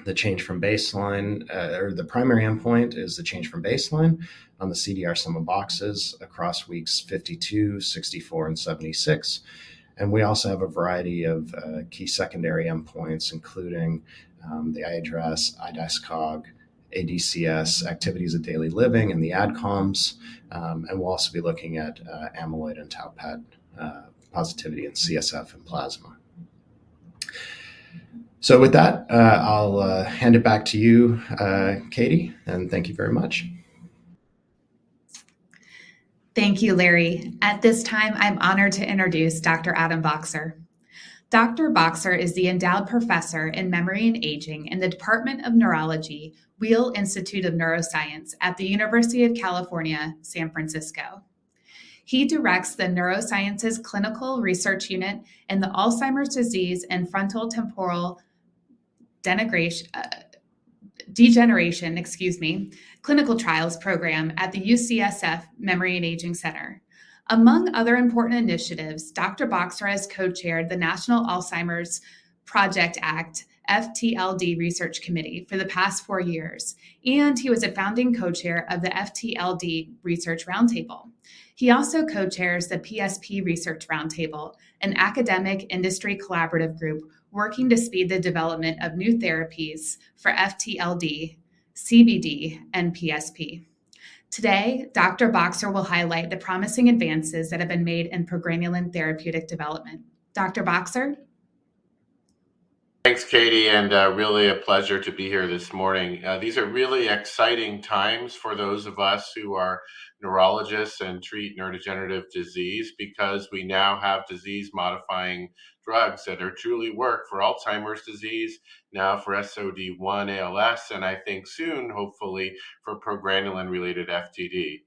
The change from baseline, or the primary endpoint is the change from baseline on the CDR sum of boxes across weeks 52, 64, and 76. And we also have a variety of key secondary endpoints, including the IADRS, iDICOG, ADCS activities of daily living, and the ADCOMS. And we'll also be looking at amyloid and tau PET positivity in CSF and plasma. So with that, I'll hand it back to you, Katie, and thank you very much. Thank you, Larry. At this time, I'm honored to introduce Dr. Adam Boxer. Dr. Boxer is the Endowed Professor in Memory and Aging in the Department of Neurology, Weill Institute of Neuroscience at the University of California, San Francisco. He directs the Neurosciences Clinical Research Unit and the Alzheimer's Disease and Frontotemporal Degeneration, excuse me, Clinical Trials Program at the UCSF Memory and Aging Center. Among other important initiatives, Dr. Boxer has co-chaired the National Alzheimer's Project Act, FTLD Research Committee for the past four years, and he was a founding co-chair of the FTLD Research Roundtable. He also co-chairs the PSP Research Roundtable, an academic industry collaborative group working to speed the development of new therapies for FTLD, CBD, and PSP. Today, Dr. Boxer will highlight the promising advances that have been made in progranulin therapeutic development. Dr. Boxer? Thanks, Katie, and really a pleasure to be here this morning. These are really exciting times for those of us who are neurologists and treat neurodegenerative disease because we now have disease-modifying drugs that are truly work for Alzheimer's disease, now for SOD1 ALS, and I think soon, hopefully, for progranulin-related FTD.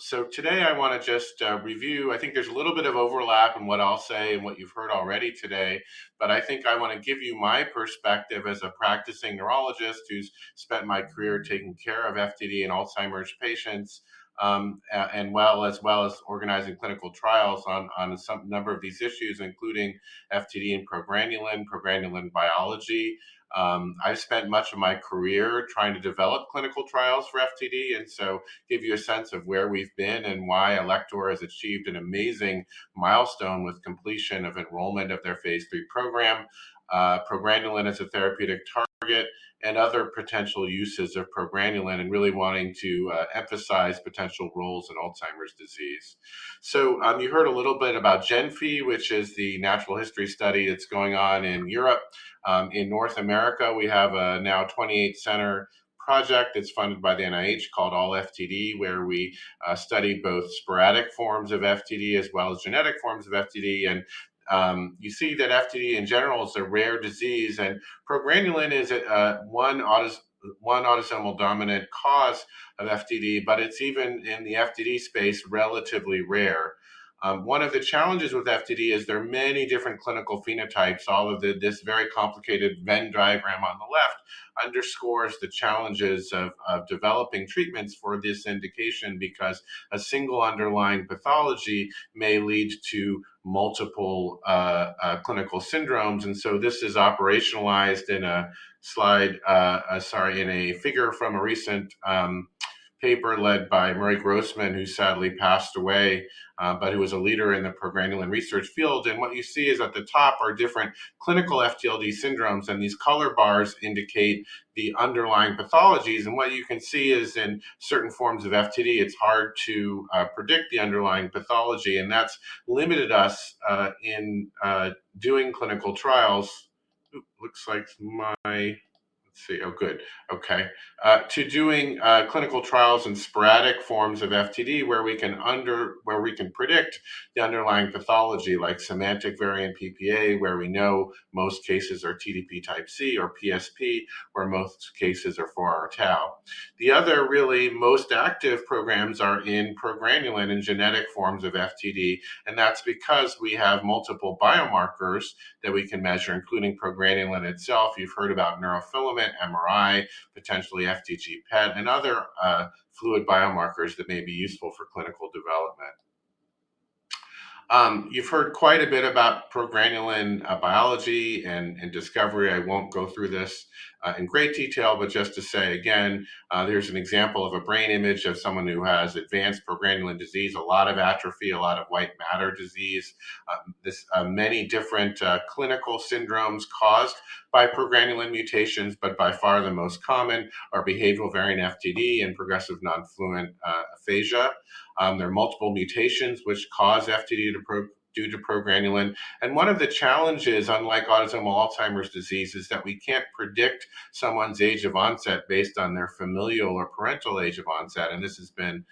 So today I wanna just review. I think there's a little bit of overlap in what I'll say and what you've heard already today, but I think I want to give you my perspective as a practicing neurologist who's spent my career taking care of FTD and Alzheimer's patients, and well, as well as organizing clinical trials on some number of these issues, including FTD and progranulin, progranulin biology. I've spent much of my career trying to develop clinical trials for FTD, and so give you a sense of where we've been and why Alector has achieved an amazing milestone with completion of enrollment of their phase 3 program, progranulin as a therapeutic target, and other potential uses of progranulin, and really wanting to emphasize potential roles in Alzheimer's disease. So, you heard a little bit about GenFI, which is the natural history study that's going on in Europe. In North America, we have a now 28-center project that's funded by the NIH called ALLFTD, where we study both sporadic forms of FTD as well as genetic forms of FTD. And you see that FTD, in general, is a rare disease, and progranulin is a one autosomal dominant cause of FTD, but it's even in the FTD space, relatively rare. One of the challenges with FTD is there are many different clinical phenotypes. All of this very complicated Venn diagram on the left underscores the challenges of developing treatments for this indication, because a single underlying pathology may lead to multiple clinical syndromes. And so this is operationalized in a slide, in a figure from a recent paper led by Murray Grossman, who sadly passed away, but who was a leader in the progranulin research field. And what you see is at the top are different clinical FTLD syndromes, and these color bars indicate the underlying pathologies. What you can see is in certain forms of FTD, it's hard to predict the underlying pathology, and that's limited us in doing clinical trials in sporadic forms of FTD, where we can predict the underlying pathology, like semantic variant PPA, where we know most cases are TDP type C or PSP, where most cases are 4R tau. The other really most active programs are in progranulin and genetic forms of FTD, and that's because we have multiple biomarkers that we can measure, including progranulin itself. You've heard about neurofilament, MRI, potentially FDG-PET, and other fluid biomarkers that may be useful for clinical development. You've heard quite a bit about progranulin biology and discovery. I won't go through this in great detail, but just to say again, there's an example of a brain image of someone who has advanced progranulin disease, a lot of atrophy, a lot of white matter disease. This many different clinical syndromes caused by progranulin mutations, but by far the most common are behavioral variant FTD and progressive nonfluent aphasia. There are multiple mutations which cause FTD due to progranulin. One of the challenges, unlike autosomal Alzheimer's disease, is that we can't predict someone's age of onset based on their familial or parental age of onset, and this has been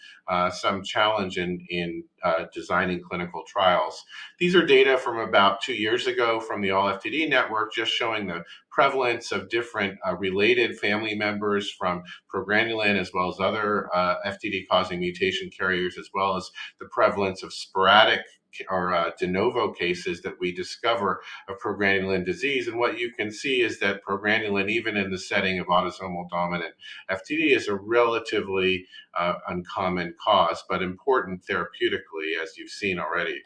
some challenge in designing clinical trials. These are data from about two years ago from the ALLFTD network, just showing the prevalence of different, related family members from progranulin, as well as other, FTD-causing mutation carriers, as well as the prevalence of sporadic or, de novo cases that we discover of progranulin disease. And what you can see is that progranulin, even in the setting of autosomal dominant FTD, is a relatively, uncommon cause, but important therapeutically, as you've seen already.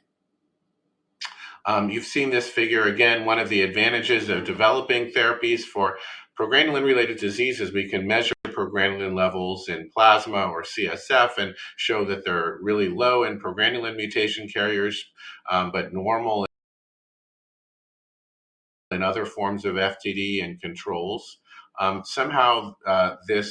You've seen this figure. Again, one of the advantages of developing therapies for progranulin-related diseases, we can measure progranulin levels in plasma or CSF and show that they're really low in progranulin mutation carriers, but normal in other forms of FTD and controls. Somehow,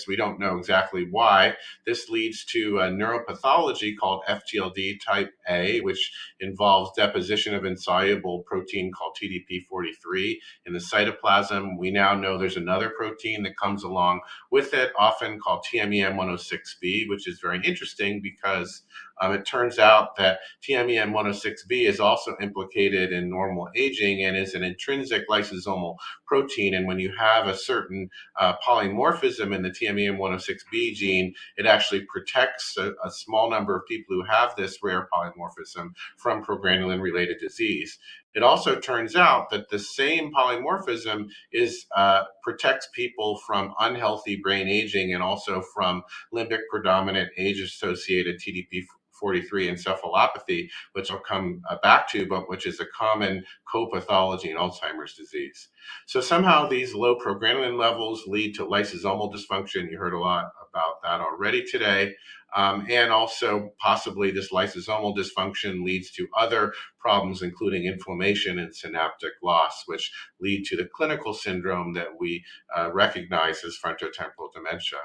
we don't know exactly why, this leads to a neuropathology called FTLD type A, which involves deposition of insoluble protein called TDP-43 in the cytoplasm. We now know there's another protein that comes along with it, often called TMEM106B, which is very interesting because it turns out that TMEM106B is also implicated in normal aging and is an intrinsic lysosomal protein. And when you have a certain polymorphism in the TMEM106B gene, it actually protects a small number of people who have this rare polymorphism from progranulin-related disease. It also turns out that the same polymorphism protects people from unhealthy brain aging and also from limbic-predominant age-associated TDP-43 encephalopathy, which I'll come back to, but which is a common co-pathology in Alzheimer's disease. So somehow, these low progranulin levels lead to lysosomal dysfunction. You heard a lot about that already today. Also, possibly, this lysosomal dysfunction leads to other problems, including inflammation and synaptic loss, which lead to the clinical syndrome that we recognize as frontotemporal dementia.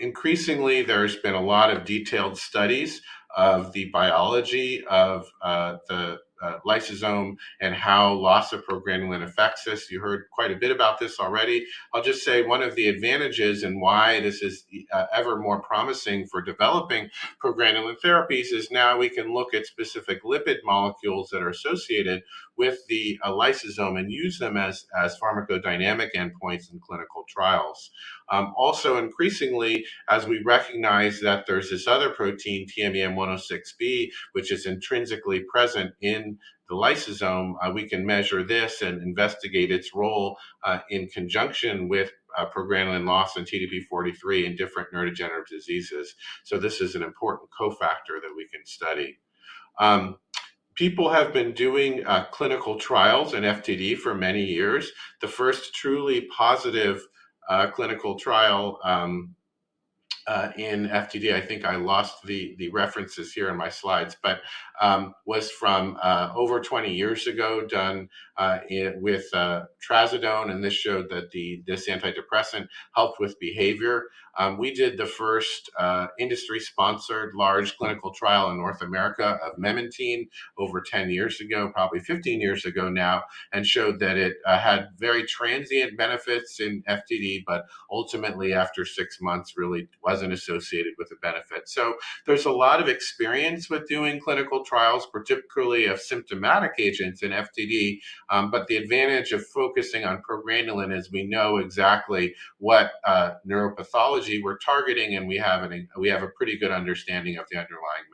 Increasingly, there's been a lot of detailed studies of the biology of the lysosome and how loss of progranulin affects this. You heard quite a bit about this already. I'll just say one of the advantages and why this is ever more promising for developing progranulin therapies is now we can look at specific lipid molecules that are associated with the lysosome and use them as pharmacodynamic endpoints in clinical trials. Also increasingly, as we recognize that there's this other protein, TMEM106B, which is intrinsically present in the lysosome, we can measure this and investigate its role in conjunction with progranulin loss and TDP-43 in different neurodegenerative diseases. So this is an important cofactor that we can study. People have been doing clinical trials in FTD for many years. The first truly positive clinical trial in FTD, I think I lost the references here in my slides, but was from over 20 years ago, done with trazodone, and this showed that this antidepressant helped with behavior. We did the first industry-sponsored large clinical trial in North America of memantine over 10 years ago, probably 15 years ago now, and showed that it had very transient benefits in FTD, but ultimately, after 6 months, really wasn't associated with the benefit. So there's a lot of experience with doing clinical trials, particularly of symptomatic agents in FTD, but the advantage of focusing on progranulin is we know exactly what neuropathology we're targeting, and we have a pretty good understanding of the underlying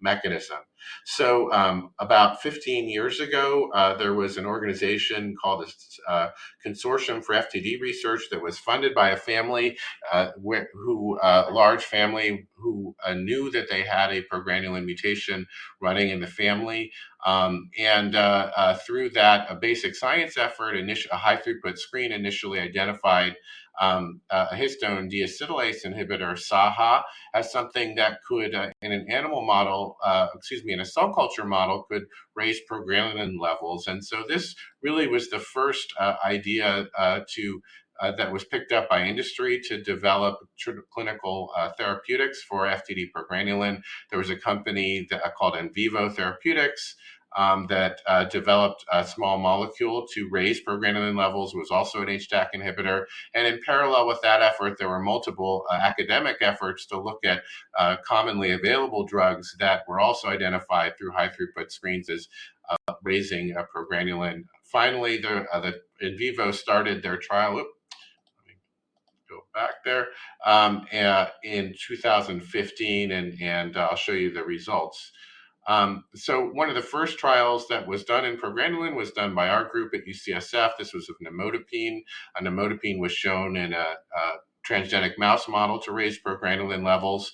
mechanism. So, about 15 years ago, there was an organization called the Consortium for FTD Research that was funded by a family, a large family who knew that they had a progranulin mutation running in the family. Through that, a basic science effort, a high-throughput screen initially identified a histone deacetylase inhibitor, SAHA, as something that could, in an animal model, excuse me, in a cell culture model, could raise progranulin levels. And so this really was the first idea that was picked up by industry to develop clinical therapeutics for FTD progranulin. There was a company called EnVivo Therapeutics that developed a small molecule to raise progranulin levels, was also an HDAC inhibitor. And in parallel with that effort, there were multiple academic efforts to look at commonly available drugs that were also identified through high-throughput screens as raising progranulin. Finally, the EnVivo started their trial. Oop, let me go back there. In 2015, I'll show you the results. So one of the first trials that was done in progranulin was done by our group at UCSF. This was with nimodipine, and nimodipine was shown in a transgenic mouse model to raise progranulin levels.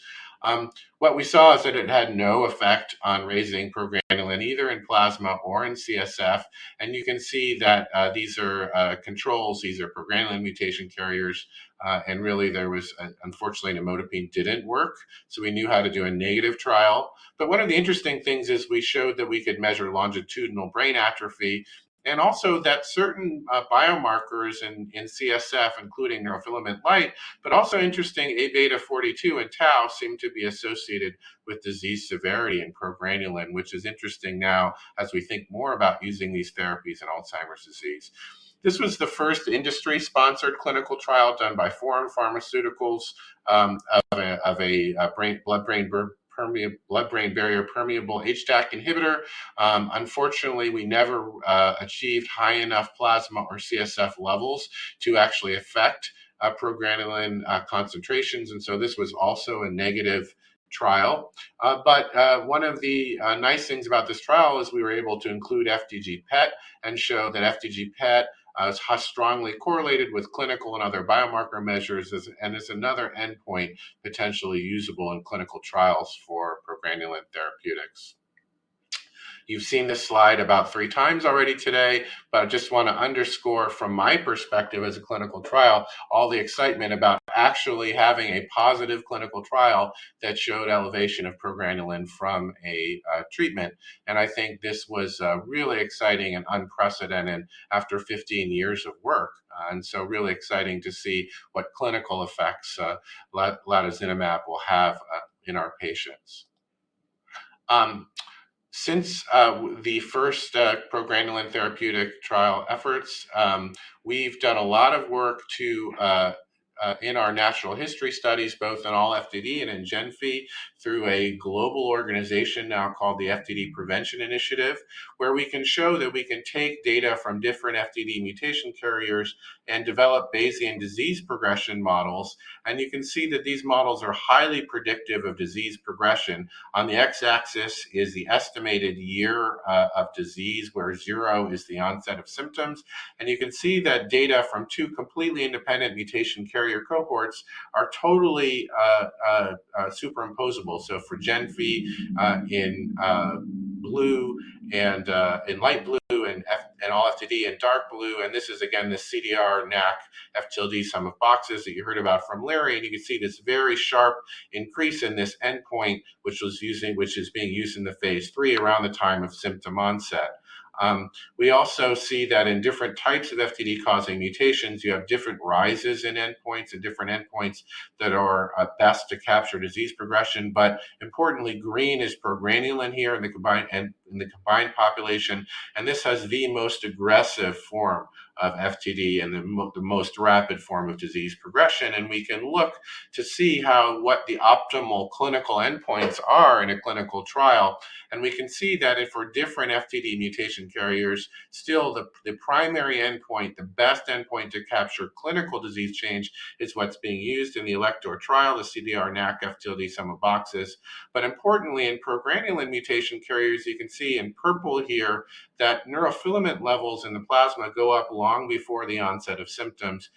What we saw is that it had no effect on raising progranulin, either in plasma or in CSF, and you can see that these are controls, these are progranulin mutation carriers. And really there was, unfortunately, nimodipine didn't work, so we knew how to do a negative trial. One of the interesting things is we showed that we could measure longitudinal brain atrophy, and also that certain biomarkers in CSF, including neurofilament light, but also interesting, Aβ42 and tau, seemed to be associated with disease severity in progranulin, which is interesting now as we think more about using these therapies in Alzheimer's disease. This was the first industry-sponsored clinical trial done by Forum Pharmaceuticals of a blood-brain barrier permeable HDAC inhibitor. Unfortunately, we never achieved high enough plasma or CSF levels to actually affect progranulin concentrations, and so this was also a negative trial. But one of the nice things about this trial is we were able to include FDG-PET and show that FDG-PET is strongly correlated with clinical and other biomarker measures, and is another endpoint potentially usable in clinical trials for progranulin therapeutics. You've seen this slide about three times already today, but I just wanna underscore from my perspective as a clinical trial, all the excitement about actually having a positive clinical trial that showed elevation of progranulin from a treatment. And I think this was really exciting and unprecedented after 15 years of work. And so really exciting to see what clinical effects lecanemab will have in our patients. Since the first progranulin therapeutic trial efforts, we've done a lot of work to in our natural history studies, both in all FTD and in GenFI, through a global organization now called the FTD Prevention Initiative, where we can show that we can take data from different FTD mutation carriers and develop Bayesian disease progression models. And you can see that these models are highly predictive of disease progression. On the x-axis is the estimated year of disease, where 0 is the onset of symptoms. And you can see that data from two completely independent mutation carrier cohorts are totally superimposable. So for GenFI in blue and in light blue, and in all FTD in dark blue, and this is again, the C9orf72 CDR, NACC, FTLD sum of boxes that you heard about from Larry. You can see this very sharp increase in this endpoint, which is being used in the phase 3 around the time of symptom onset. We also see that in different types of FTD causing mutations, you have different rises in endpoints and different endpoints that are best to capture disease progression. But importantly, green is progranulin here in the combined and in the combined population, and this has the most aggressive form of FTD and the most rapid form of disease progression. We can look to see what the optimal clinical endpoints are in a clinical trial. We can see that if for different FTD mutation carriers, still the primary endpoint, the best endpoint to capture clinical disease change, is what's being used in the Alector trial, the C9orf72 CDR plus NACC FTLD sum of boxes. But importantly, in progranulin mutation carriers, you can see in purple here, that neurofilament levels in the plasma go up long before the onset of symptoms.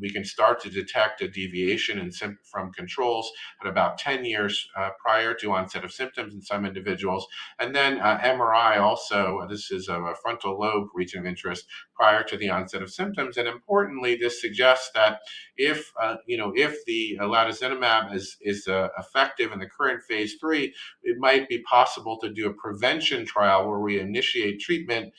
We can start to detect a deviation in symptoms from controls at about 10 years prior to onset of symptoms in some individuals. And then, MRI, also, this is a frontal lobe region of interest prior to the onset of symptoms. And importantly, this suggests that if, you know, if the lecanemab is effective in the current phase 3, it might be possible to do a prevention trial where we initiate treatment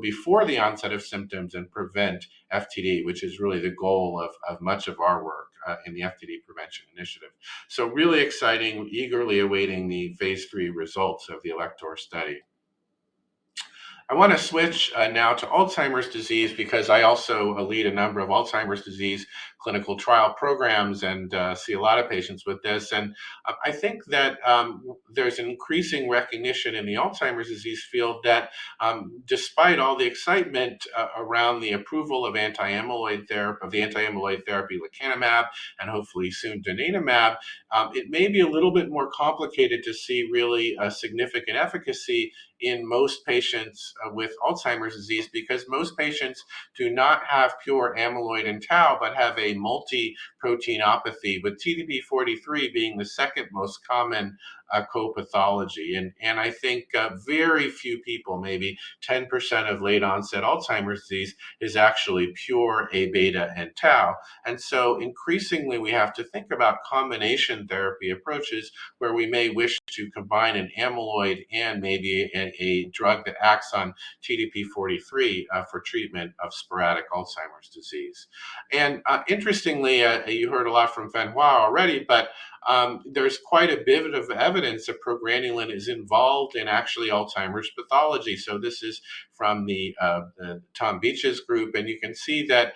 before the onset of symptoms and prevent FTD, which is really the goal of much of our work in the FTD Prevention Initiative. So really exciting, eagerly awaiting the phase 3 results of the Alector study. I wanna switch now to Alzheimer's disease, because I also lead a number of Alzheimer's disease clinical trial programs and see a lot of patients with this. And I think that there's an increasing recognition in the Alzheimer's disease field that despite all the excitement around the approval of anti-amyloid therapy lecanemab, and hopefully soon donanemab, it may be a little bit more complicated to see really significant efficacy in most patients with Alzheimer's disease. Because most patients do not have pure amyloid and tau, but have a multi-proteinopathy, with TDP-43 being the second most common co-pathology. And I think very few people, maybe 10% of late-onset Alzheimer's disease, is actually pure A-beta and tau. And so, increasingly, we have to think about combination therapy approaches, where we may wish to combine an amyloid and maybe a drug that acts on TDP-43 for treatment of sporadic Alzheimer's disease. And, interestingly, you heard a lot from Fenghua Hu already, but there's quite a bit of evidence that progranulin is involved in actually Alzheimer's pathology. So this is from the Tom Beach's group, and you can see that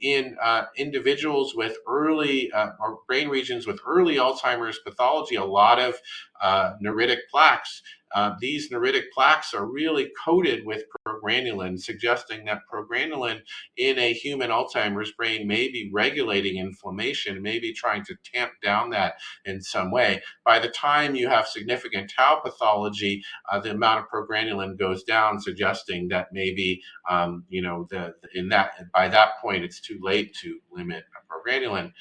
in individuals with early or brain regions with early Alzheimer's pathology, a lot of neuritic plaques. These neuritic plaques are really coated with progranulin, suggesting that progranulin in a human Alzheimer's brain may be regulating inflammation, may be trying to tamp down that in some way. By the time you have significant tau pathology, the amount of progranulin goes down, suggesting that maybe, you know, by that point, it's too late to limit the progranulin.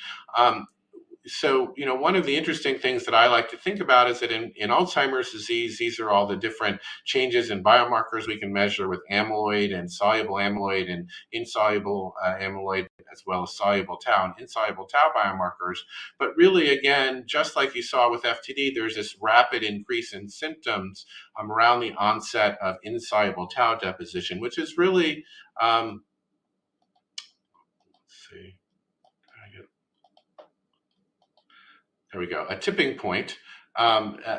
So you know, one of the interesting things that I like to think about is that in Alzheimer's disease, these are all the different changes in biomarkers we can measure with amyloid and soluble amyloid, and insoluble amyloid, as well as soluble tau and insoluble tau biomarkers. But really, again, just like you saw with FTD, there's this rapid increase in symptoms around the onset of insoluble tau deposition, which is really a tipping point.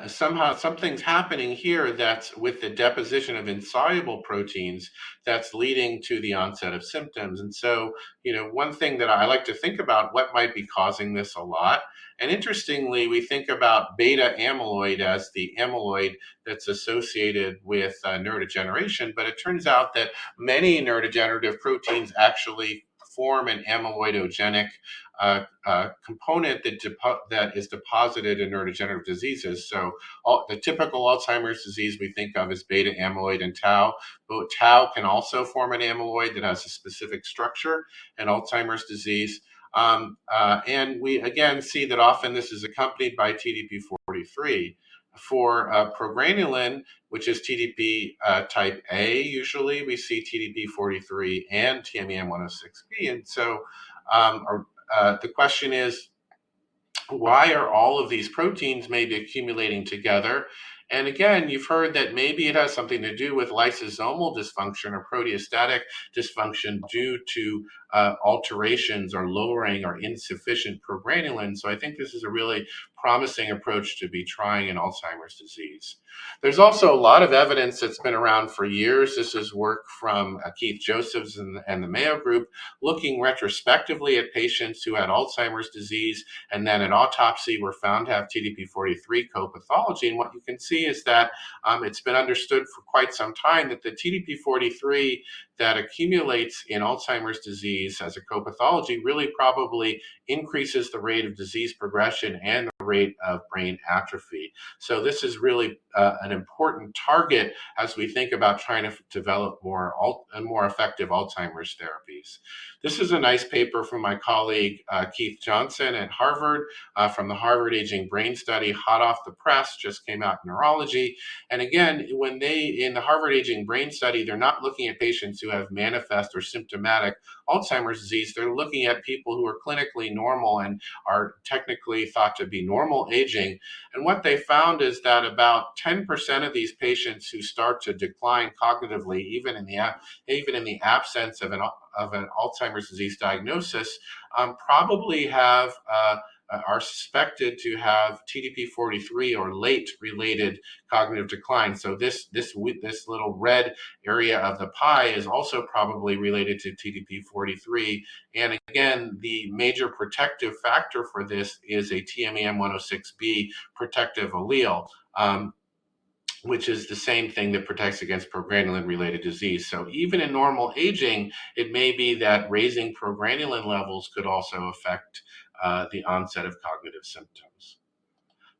Somehow something's happening here that's with the deposition of insoluble proteins, that's leading to the onset of symptoms. And so, you know, one thing that I like to think about, what might be causing this a lot? And interestingly, we think about beta amyloid as the amyloid that's associated with neurodegeneration, but it turns out that many neurodegenerative proteins actually form an amyloidogenic component that is deposited in neurodegenerative diseases. So, all the typical Alzheimer's disease we think of is beta amyloid and tau. But tau can also form an amyloid that has a specific structure in Alzheimer's disease. And we again see that often this is accompanied by TDP-43. For progranulin, which is TDP type A, usually we see TDP-43 and TMEM106B. And so, or, the question is, why are all of these proteins maybe accumulating together? Again, you've heard that maybe it has something to do with lysosomal dysfunction or proteostatic dysfunction due to alterations, or lowering, or insufficient progranulin. So I think this is a really promising approach to be trying in Alzheimer's disease. There's also a lot of evidence that's been around for years. This is work from Keith Josephs and the Mayo group, looking retrospectively at patients who had Alzheimer's disease, and then in autopsy were found to have TDP-43 co-pathology. And what you can see is that it's been understood for quite some time that the TDP-43 that accumulates in Alzheimer's disease as a co-pathology really probably increases the rate of disease progression and the rate of brain atrophy. So this is really an important target as we think about trying to develop more effective Alzheimer's therapies. This is a nice paper from my colleague, Keith Johnson at Harvard, from the Harvard Aging Brain Study. Hot off the press, just came out in Neurology. And again, when they, in the Harvard Aging Brain Study, they're not looking at patients who have manifest or symptomatic Alzheimer's disease. They're looking at people who are clinically normal and are technically thought to be normal aging. And what they found is that about 10% of these patients who start to decline cognitively, even in the absence of an Alzheimer's disease diagnosis, probably have, are suspected to have TDP-43 or LATE-related cognitive decline. So this, with this little red area of the pie is also probably related to TDP-43. And again, the major protective factor for this is a TMEM106B protective allele, which is the same thing that protects against progranulin-related disease. So even in normal aging, it may be that raising progranulin levels could also affect the onset of cognitive symptoms.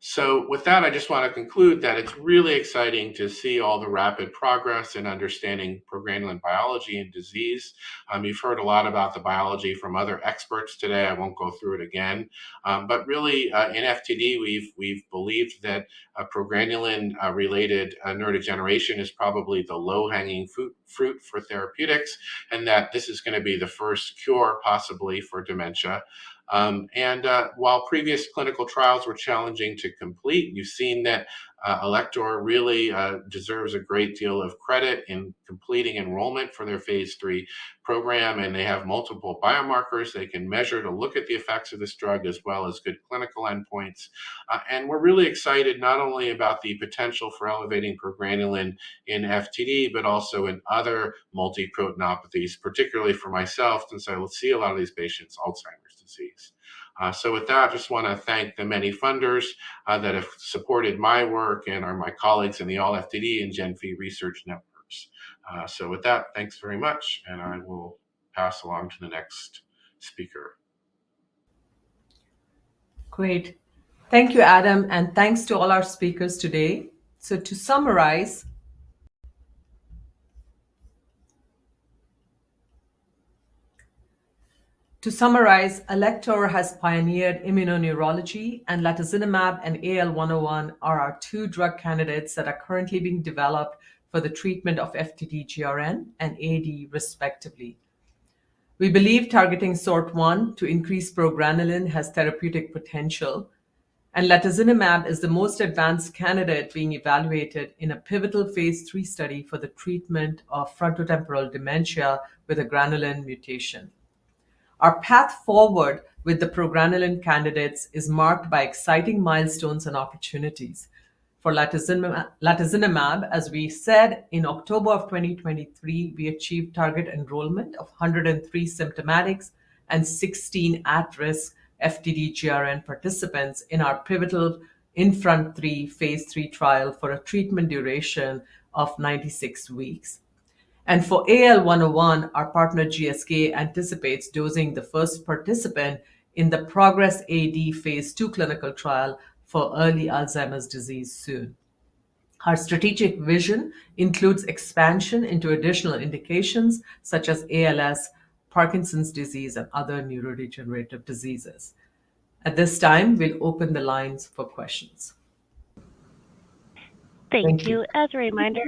So with that, I just want to conclude that it's really exciting to see all the rapid progress in understanding progranulin biology and disease. You've heard a lot about the biology from other experts today. I won't go through it again. But really, in FTD, we've believed that a progranulin related neurodegeneration is probably the low-hanging fruit for therapeutics, and that this is gonna be the first cure, possibly for dementia. While previous clinical trials were challenging to complete, you've seen that Alector really deserves a great deal of credit in completing enrollment for their phase 3 program, and they have multiple biomarkers they can measure to look at the effects of this drug, as well as good clinical endpoints. We're really excited not only about the potential for elevating progranulin in FTD, but also in other multiproteinopathies, particularly for myself, since I will see a lot of these patients with Alzheimer's disease. So with that, I just want to thank the many funders that have supported my work and are my colleagues in the ALLFTD and GenFI Research Networks. So with that, thanks very much, and I will pass along to the next speaker. Great. Thank you, Adam, and thanks to all our speakers today. To summarize. To summarize, Alector has pioneered immuno-neurology, and latozinemab and AL101 are our two drug candidates that are currently being developed for the treatment of FTD-GRN and AD, respectively. We believe targeting SORT1 to increase progranulin has therapeutic potential, and latozinemab is the most advanced candidate being evaluated in a pivotal phase 3 study for the treatment of frontotemporal dementia with a granulin mutation. Our path forward with the progranulin candidates is marked by exciting milestones and opportunities. For latozinemab, as we said, in October of 2023, we achieved target enrollment of 103 symptomatics and 16 at-risk FTD-GRN participants in our pivotal INFRONT-3 phase 3 trial for a treatment duration of 96 weeks. For AL101, our partner, GSK, anticipates dosing the first participant in the PROGRESS-AD phase 2 clinical trial for early Alzheimer's disease soon. Our strategic vision includes expansion into additional indications such as ALS, Parkinson's disease, and other neurodegenerative diseases. At this time, we'll open the lines for questions. Thank you. As a reminder,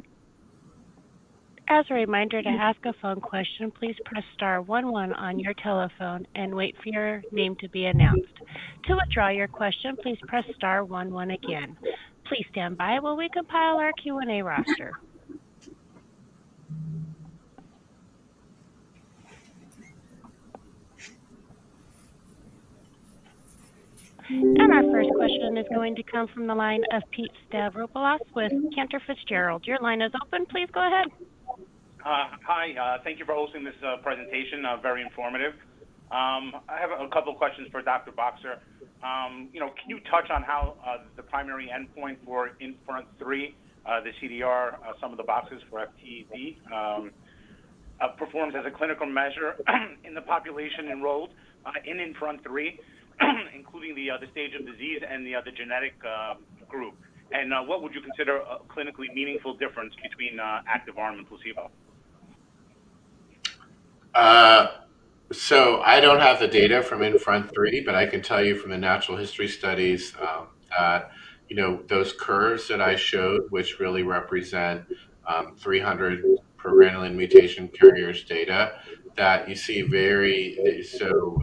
as a reminder, to ask a phone question, please press star one one on your telephone and wait for your name to be announced. To withdraw your question, please press star one one again. Please stand by while we compile our Q&A roster. Our first question is going to come from the line of Pete Stavropoulos with Cantor Fitzgerald. Your line is open. Please go ahead. Hi. Thank you for hosting this presentation. Very informative. I have a couple questions for Dr. Boxer. You know, can you touch on how the primary endpoint for INFRONT-3, the CDR, some of the boxes for FTD, performs as a clinical measure in the population enrolled in INFRONT-3, including the stage of disease and the other genetic group? And what would you consider a clinically meaningful difference between active arm and placebo? So I don't have the data from INFRONT 3, but I can tell you from the natural history studies, you know, those curves that I showed, which really represent 300 progranulin mutation carriers data, that you see very so,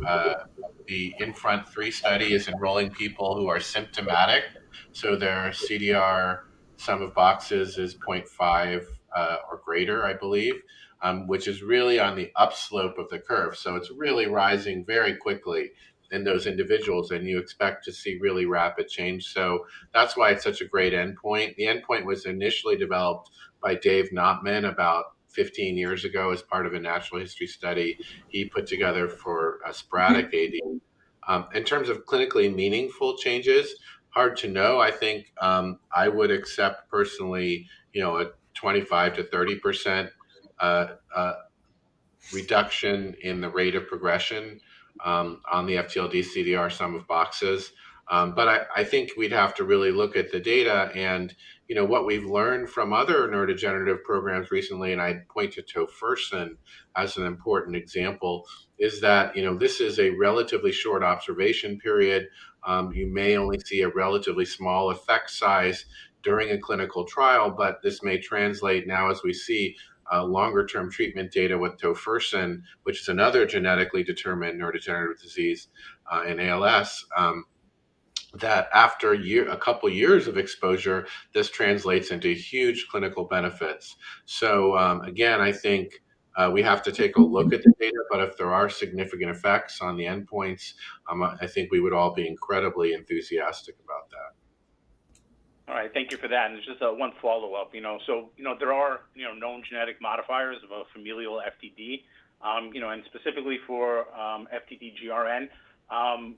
the INFRONT 3 study is enrolling people who are symptomatic, so their CDR sum of boxes is 0.5 or greater, I believe, which is really on the upslope of the curve. So it's really rising very quickly in those individuals, and you expect to see really rapid change. So that's why it's such a great endpoint. The endpoint was initially developed by Dave Knopman about 15 years ago as part of a natural history study he put together for sporadic AD. In terms of clinically meaningful changes, hard to know. I think, I would accept personally, you know, a 25%-30% reduction in the rate of progression on the FTLD CDR sum of boxes. But I think we'd have to really look at the data. And, you know, what we've learned from other neurodegenerative programs recently, and I point to tofersen as an important example, is that, you know, this is a relatively short observation period. You may only see a relatively small effect size during a clinical trial, but this may translate now as we see longer-term treatment data with tofersen, which is another genetically determined neurodegenerative disease in ALS. That after a couple of years of exposure, this translates into huge clinical benefits. Again, I think we have to take a look at the data, but if there are significant effects on the endpoints, I think we would all be incredibly enthusiastic about that. All right. Thank you for that. And just one follow-up, you know. So, you know, there are known genetic modifiers of a familial FTD, and specifically for FTD-GRN.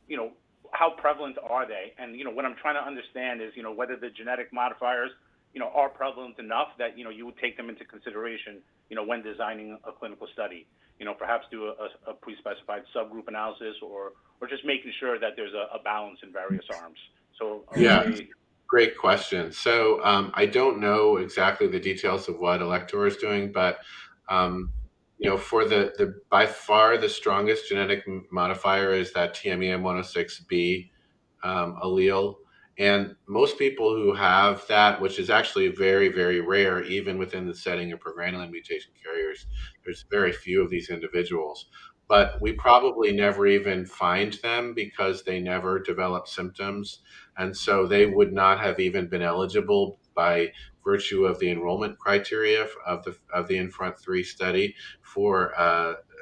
You know, how prevalent are they? And, you know, what I'm trying to understand is, you know, whether the genetic modifiers, you know, are prevalent enough that, you know, you would take them into consideration, you know, when designing a clinical study. You know, perhaps do a pre-specified subgroup analysis or just making sure that there's a balance in various arms. So are we- Yeah, great question. So, I don't know exactly the details of what Alector is doing, but, you know, for the by far the strongest genetic modifier is that TMEM106B allele. And most people who have that, which is actually very, very rare, even within the setting of progranulin mutation carriers, there's very few of these individuals. But we probably never even find them because they never develop symptoms, and so they would not have even been eligible by virtue of the enrollment criteria of the INFRONT-3 study for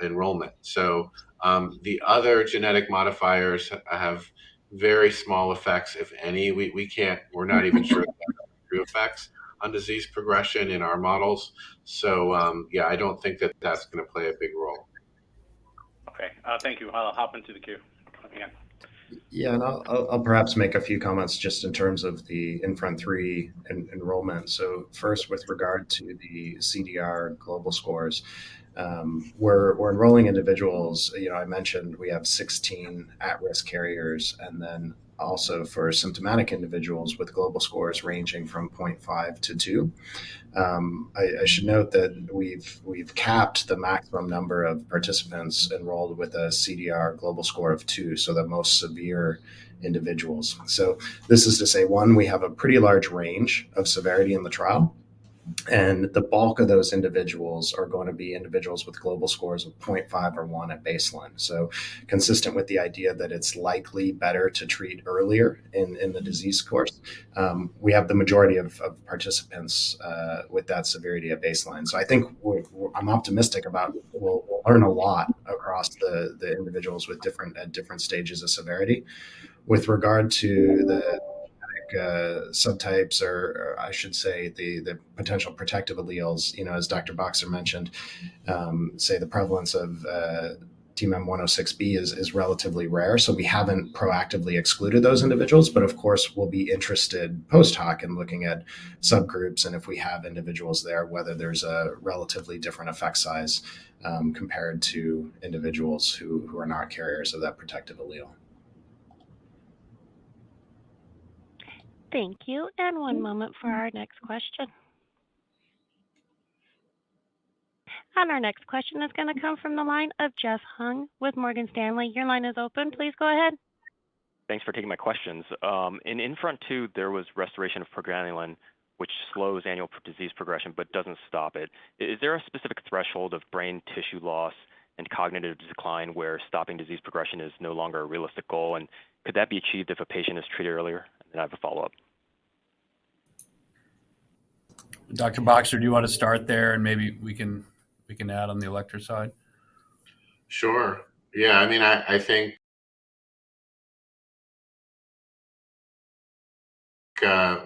enrollment. So, the other genetic modifiers have very small effects, if any. We can't... We're not even sure if there are true effects on disease progression in our models. So, yeah, I don't think that that's gonna play a big role. Okay, thank you. I'll hop into the queue again. Yeah, and I'll perhaps make a few comments just in terms of the INFRONT-3 enrollment. So first, with regard to the CDR global scores, we're enrolling individuals. You know, I mentioned we have 16 at-risk carriers, and then also for symptomatic individuals with global scores ranging from 0.5 to 2. I should note that we've capped the maximum number of participants enrolled with a CDR global score of 2, so the most severe individuals. So this is to say, one, we have a pretty large range of severity in the trial, and the bulk of those individuals are going to be individuals with global scores of 0.5 or 1 at baseline. So consistent with the idea that it's likely better to treat earlier in the disease course. We have the majority of participants with that severity at baseline. So I think we're optimistic about what we'll learn a lot across the individuals with different, at different stages of severity. With regard to the subtypes, or I should say, the potential protective alleles, you know, as Dr. Boxer mentioned, the prevalence of TMEM106B is relatively rare. So we haven't proactively excluded those individuals, but of course, we'll be interested post-hoc in looking at subgroups and if we have individuals there, whether there's a relatively different effect size, compared to individuals who are not carriers of that protective allele. Thank you, and one moment for our next question. Our next question is gonna come from the line of Jeff Hung with Morgan Stanley. Your line is open. Please go ahead. Thanks for taking my questions. In INFRONT-2, there was restoration of progranulin, which slows annual disease progression but doesn't stop it. Is there a specific threshold of brain tissue loss and cognitive decline where stopping disease progression is no longer a realistic goal? And could that be achieved if a patient is treated earlier? And then I have a follow-up. Dr. Boxer, do you want to start there, and maybe we can add on the Alector side? Sure. Yeah, I mean,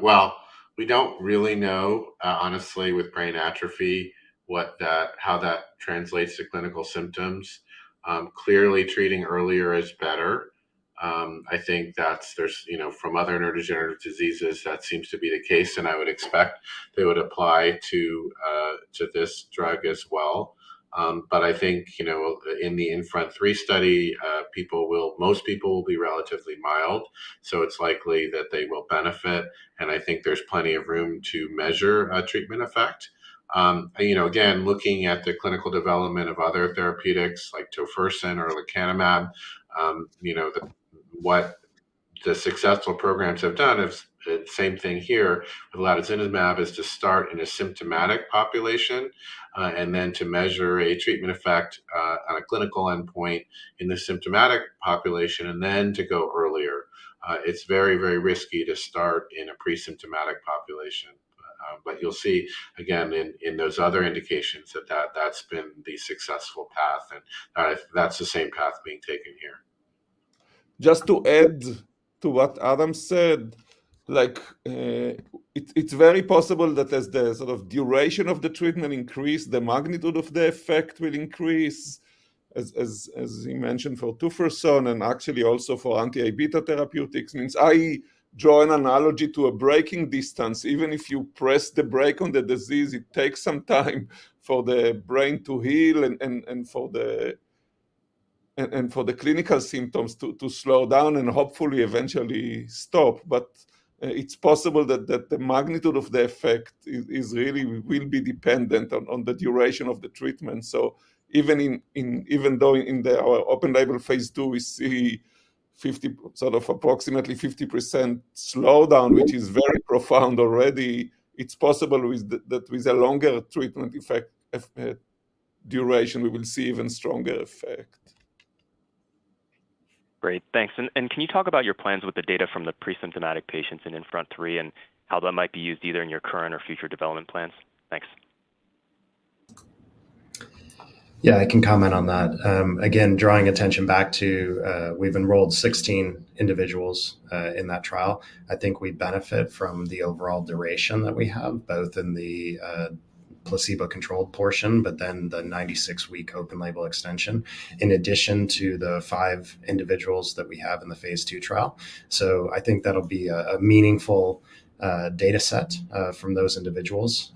well, we don't really know, honestly, with brain atrophy, what that how that translates to clinical symptoms. Clearly, treating earlier is better. I think there's, you know, from other neurodegenerative diseases, that seems to be the case, and I would expect they would apply to this drug as well. But I think, you know, in the INFRONT 3 study, most people will be relatively mild, so it's likely that they will benefit, and I think there's plenty of room to measure a treatment effect. You know, again, looking at the clinical development of other therapeutics, like tofersen or lecanemab, you know, what the successful programs have done is same thing here with donanemab, is to start in a symptomatic population, and then to measure a treatment effect on a clinical endpoint in the symptomatic population, and then to go earlier. It's very, very risky to start in a pre-symptomatic population. But you'll see again in those other indications that that's been the successful path, and that's the same path being taken here. Just to add to what Adam said, like, it's very possible that as the sort of duration of the treatment increase, the magnitude of the effect will increase. As he mentioned, for tofersen and actually also for anti-beta therapeutics, I mean, I draw an analogy to a braking distance. Even if you press the brake on the disease, it takes some time for the brain to heal and for the clinical symptoms to slow down and hopefully eventually stop. But, it's possible that the magnitude of the effect is really will be dependent on the duration of the treatment. So even though in the open-label phase II, we see 50, sort of approximately 50% slowdown, which is very profound already, it's possible with the that with a longer treatment effect duration, we will see even stronger effect. Great, thanks. And can you talk about your plans with the data from the pre-symptomatic patients in INFRONT-3, and how that might be used either in your current or future development plans? Thanks. Yeah, I can comment on that. Again, drawing attention back to, we've enrolled 16 individuals in that trial. I think we benefit from the overall duration that we have, both in the placebo-controlled portion, but then the 96-week open-label extension, in addition to the 5 individuals that we have in the Phase II trial. So I think that'll be a meaningful data set from those individuals.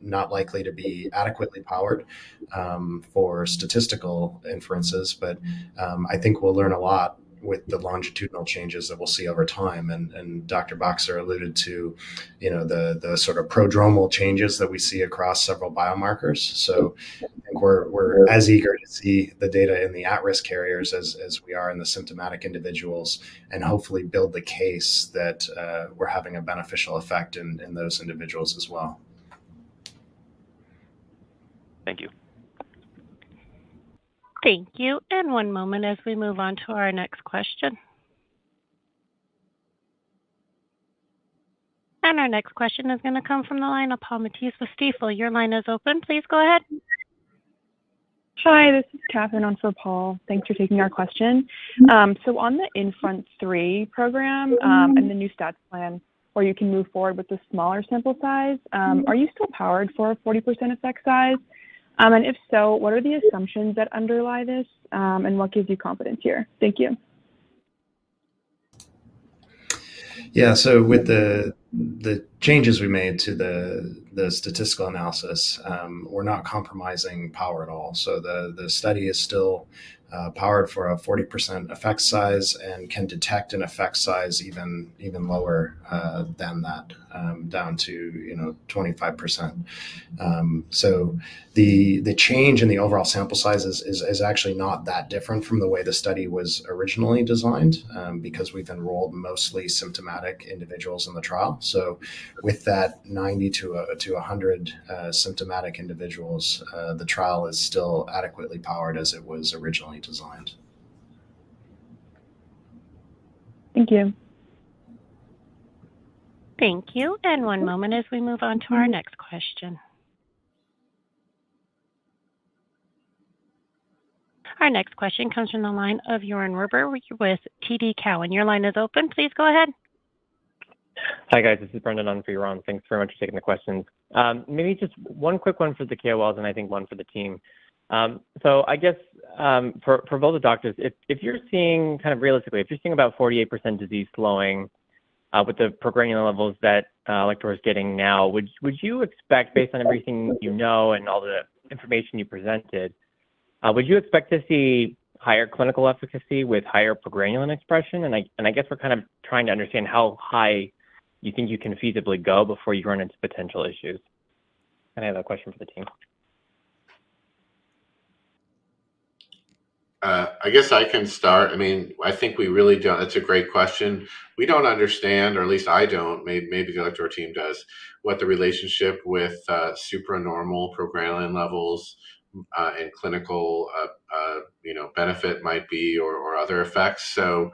Not likely to be adequately powered for statistical inferences, but I think we'll learn a lot with the longitudinal changes that we'll see over time. And Dr. Boxer alluded to, you know, the sort of prodromal changes that we see across several biomarkers. So we're as eager to see the data in the at-risk carriers as we are in the symptomatic individuals, and hopefully build the case that we're having a beneficial effect in those individuals as well. Thank you. Thank you, and one moment as we move on to our next question. Our next question is gonna come from the line of Paul Matteis with Stifel. Your line is open. Please go ahead. Hi, this is Catherine on for Paul. Thanks for taking our question. So on the INFRONT-3 program and the new stats plan, where you can move forward with the smaller sample size, are you still powered for a 40% effect size? And if so, what are the assumptions that underlie this, and what gives you confidence here? Thank you. Yeah, so with the changes we made to the statistical analysis, we're not compromising power at all. So the study is still powered for a 40% effect size and can detect an effect size even lower than that, down to, you know, 25%. So the change in the overall sample size is actually not that different from the way the study was originally designed, because we've enrolled mostly symptomatic individuals in the trial. So with that 90-100 symptomatic individuals, the trial is still adequately powered as it was originally designed. Thank you. Thank you, and one moment as we move on to our next question. Our next question comes from the line of Yaron Werber with TD Cowen. Your line is open. Please go ahead. Hi, guys. This is Brendan on for Yaron. Thanks very much for taking the questions. Maybe just one quick one for the KOLs and I think one for the team. So I guess, for both the doctors, if you're seeing kind of realistically, if you're seeing about 48% disease slowing, with the progranulin levels that Alector is getting now, would you expect, based on everything you know and all the information you presented, would you expect to see higher clinical efficacy with higher progranulin expression? And I guess we're kind of trying to understand how high you think you can feasibly go before you run into potential issues. And I have a question for the team. I guess I can start. I mean, I think we really don't. That's a great question. We don't understand, or at least I don't, maybe the Alector team does, what the relationship with supernormal progranulin levels and clinical you know benefit might be or other effects. So,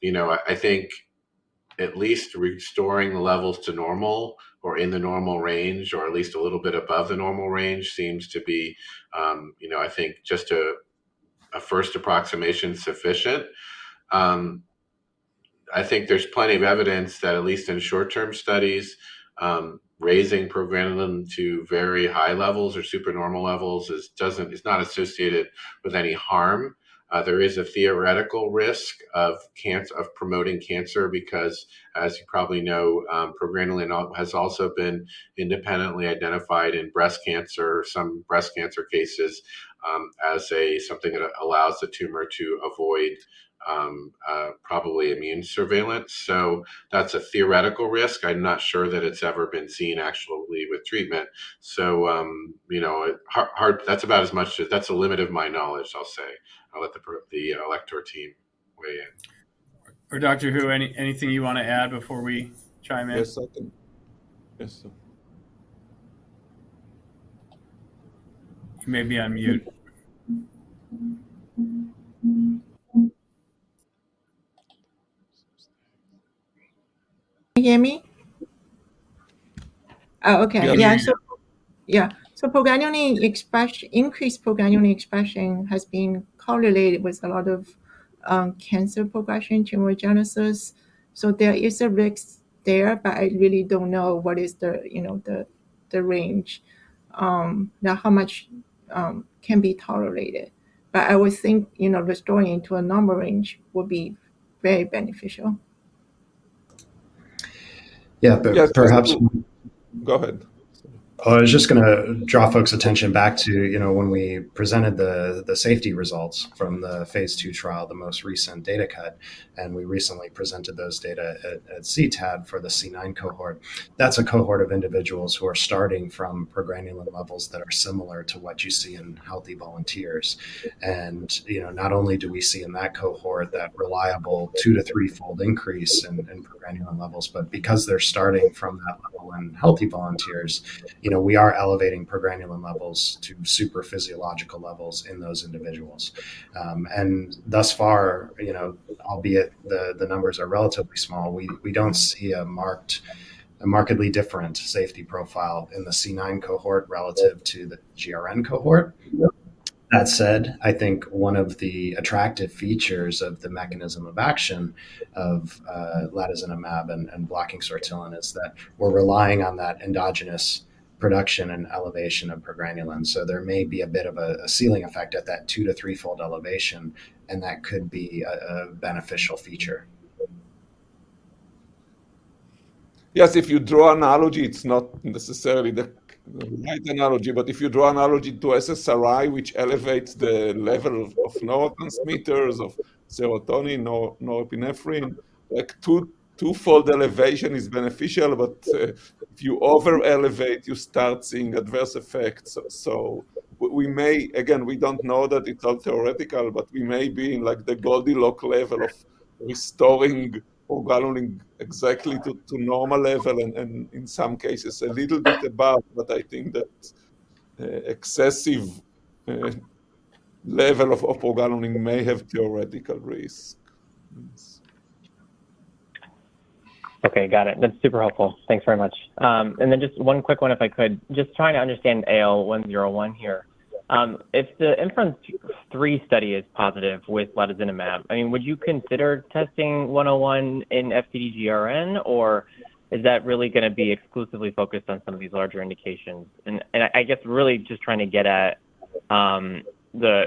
you know, I think at least restoring the levels to normal or in the normal range, or at least a little bit above the normal range, seems to be you know, I think just a first approximation sufficient? I think there's plenty of evidence that, at least in short-term studies, raising progranulin to very high levels or supernormal levels is not associated with any harm. There is a theoretical risk of promoting cancer because, as you probably know, progranulin has also been independently identified in breast cancer, some breast cancer cases, as a something that allows the tumor to avoid probably immune surveillance. So that's a theoretical risk. I'm not sure that it's ever been seen actually with treatment. So, you know, that's about as much as, that's the limit of my knowledge, I'll say. I'll let the Alector team weigh in. Or Dr. Hu, anything you want to add before we chime in? Yes, I can. Yes, sir. You may be on mute. You hear me? Oh, okay. Yeah, we hear you. Yeah, so, yeah. So increased progranulin expression has been correlated with a lot of cancer progression, tumorigenesis. So there is a risk there, but I really don't know what is the, you know, the range now how much can be tolerated. But I would think, you know, restoring it to a normal range will be very beneficial. Yeah, but perhaps- Yes. Go ahead. I was just gonna draw folks' attention back to, you know, when we presented the safety results from the phase 2 trial, the most recent data cut, and we recently presented those data at CTAD for the C9 cohort. That's a cohort of individuals who are starting from progranulin levels that are similar to what you see in healthy volunteers. And, you know, not only do we see in that cohort that reliable 2- to 3-fold increase in progranulin levels, but because they're starting from that level in healthy volunteers, you know, we are elevating progranulin levels to super physiological levels in those individuals. And thus far, you know, albeit the numbers are relatively small, we don't see a markedly different safety profile in the C9 cohort relative to the GRN cohort. That said, I think one of the attractive features of the mechanism of action of lecanemab and blocking sortilin is that we're relying on that endogenous production and elevation of progranulin, so there may be a bit of a ceiling effect at that 2- to 3-fold elevation, and that could be a beneficial feature. Yes, if you draw analogy, it's not necessarily the right analogy, but if you draw analogy to SSRI, which elevates the level of neurotransmitters, of serotonin or norepinephrine, like two, twofold elevation is beneficial, but if you over-elevate, you start seeing adverse effects. So we, we may again, we don't know that it's all theoretical, but we may be in, like, the Goldilocks level of restoring progranulin exactly to, to normal level, and, and in some cases, a little bit above. But I think that excessive level of progranulin may have theoretical risk. Okay, got it. That's super helpful. Thanks very much. And then just one quick one, if I could. Just trying to understand AL101 here. If the INFRONT-3 study is positive with lecanemab, I mean, would you consider testing AL101 in FTD-GRN, or is that really gonna be exclusively focused on some of these larger indications? And, and I guess really just trying to get at, the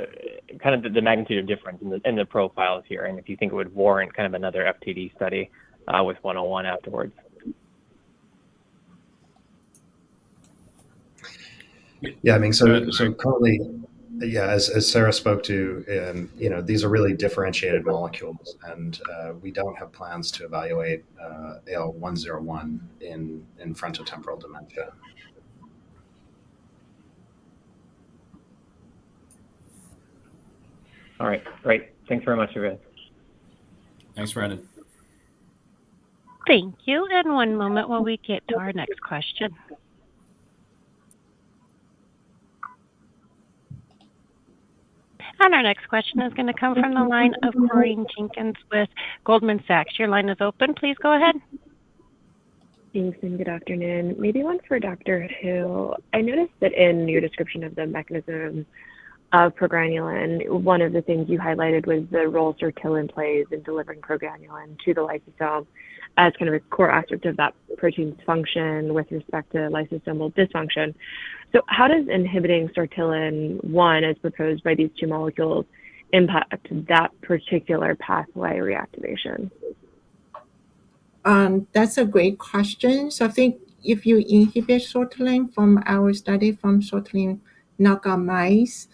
kind of the magnitude of difference in the profiles here, and if you think it would warrant kind of another FTD study with AL101 afterwards. Yeah, I mean, so currently, yeah, as Sarah spoke to, and, you know, these are really differentiated molecules, and we don't have plans to evaluate AL101 in frontotemporal dementia. All right. Great. Thanks very much, you guys. Thanks, Brendan. Thank you. One moment while we get to our next question. Our next question is gonna come from the line of Corinne Jenkins with Goldman Sachs. Your line is open. Please go ahead. Thanks, and good afternoon. Maybe one for Dr. Hu. I noticed that in your description of the mechanism of progranulin, one of the things you highlighted was the role sortilin plays in delivering progranulin to the lysosome as kind of a core aspect of that protein's function with respect to lysosomal dysfunction. So how does inhibiting sortilin one, as proposed by these two molecules, impact that particular pathway reactivation? That's a great question. So I think if you inhibit sortilin from our study, from sortilin knockout mice,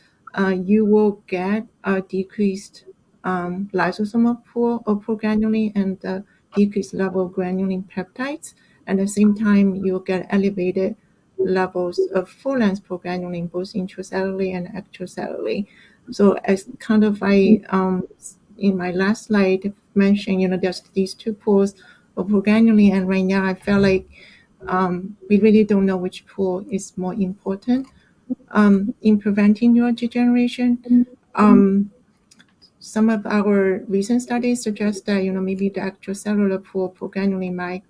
you will get a decreased lysosomal pool of progranulin and a decreased level of granulin peptides. At the same time, you'll get elevated levels of full-length progranulin, both intracellularly and extracellularly. So as kind of I, in my last slide, mentioned, you know, there's these two pools of progranulin, and right now, I feel like, we really don't know which pool is more important in preventing neurodegeneration. Some of our recent studies suggest that, you know, maybe the extracellular pool progranulin might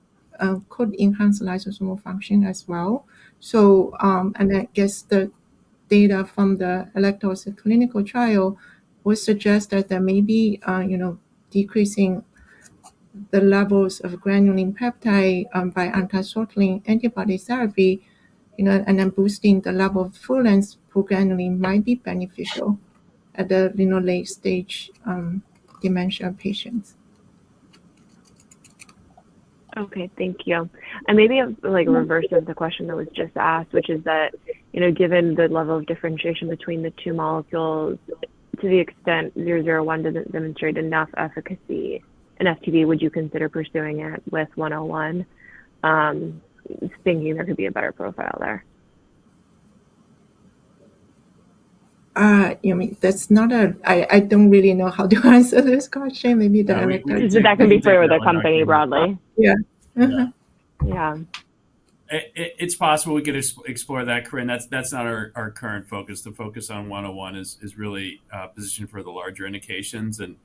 could enhance lysosomal function as well. I guess the data from the Alector's clinical trial would suggest that there may be, you know, decreasing the levels of granulin peptide by anti-sortilin antibody therapy, you know, and then boosting the level of full-length progranulin might be beneficial at the, you know, late-stage dementia patients. Okay, thank you. And maybe, like, a reverse of the question that was just asked, which is that, you know, given the level of differentiation between the two molecules, to the extent 001 doesn't demonstrate enough efficacy in FTD, would you consider pursuing it with 101, thinking there could be a better profile there? You mean, that's not, I don't really know how to answer this question. Maybe Dominic- That can be fair with the company broadly? Yeah. Yeah. It's possible we could explore that, Corinne. That's not our current focus. The focus on 101 is really positioned for the larger indications, and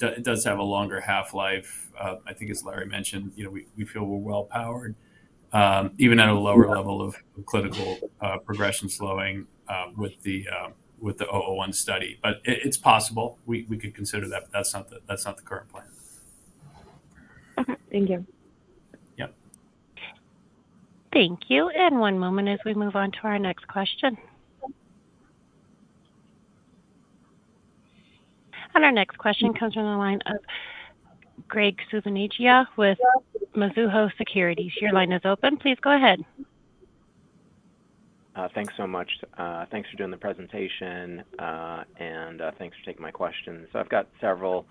it does have a longer half-life. I think as Larry mentioned, you know, we feel we're well-powered, even at a lower level of clinical progression slowing, with the 001 study. But it's possible we could consider that. That's not the current plan. Okay, thank you. Yep. Thank you, and one moment as we move on to our next question. Our next question comes from the line of Graig Suvannavejh with Mizuho Securities. Your line is open. Please go ahead. Thanks so much. Thanks for doing the presentation, and thanks for taking my questions. So I've got several.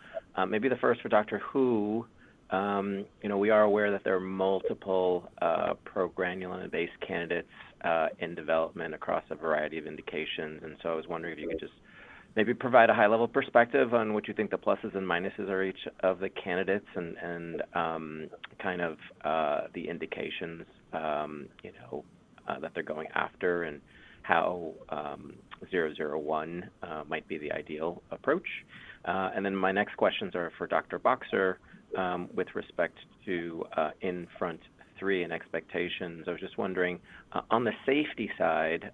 Maybe the first for Dr. Hu. You know, we are aware that there are multiple progranulin-based candidates in development across a variety of indications, and so I was wondering if you could just maybe provide a high-level perspective on what you think the pluses and minuses are each of the candidates and kind of the indications you know that they're going after, and how 001 might be the ideal approach. And then my next questions are for Dr. Boxer, with respect to INFRONT-3 and expectations. I was just wondering, on the safety side,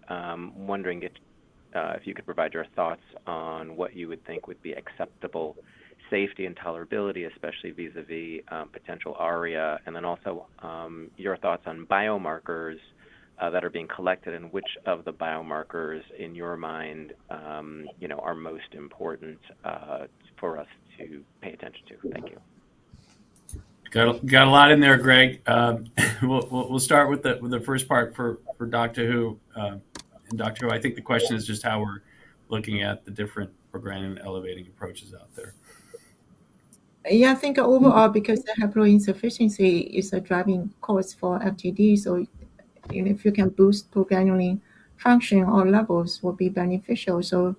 wondering if, if you could provide your thoughts on what you would think would be acceptable safety and tolerability, especially vis-a-vis, potential ARIA, and then also, your thoughts on biomarkers, that are being collected, and which of the biomarkers, in your mind, you know, are most important, for us to pay attention to. Thank you. Got a lot in there, Greg. We'll start with the first part for Dr. Hu. Dr. Hu, I think the question is just how we're looking at the different progranulin elevating approaches out there. Yeah, I think overall, because the haploinsufficiency is a driving force for FTD, so if you can boost progranulin, functioning all levels will be beneficial. So,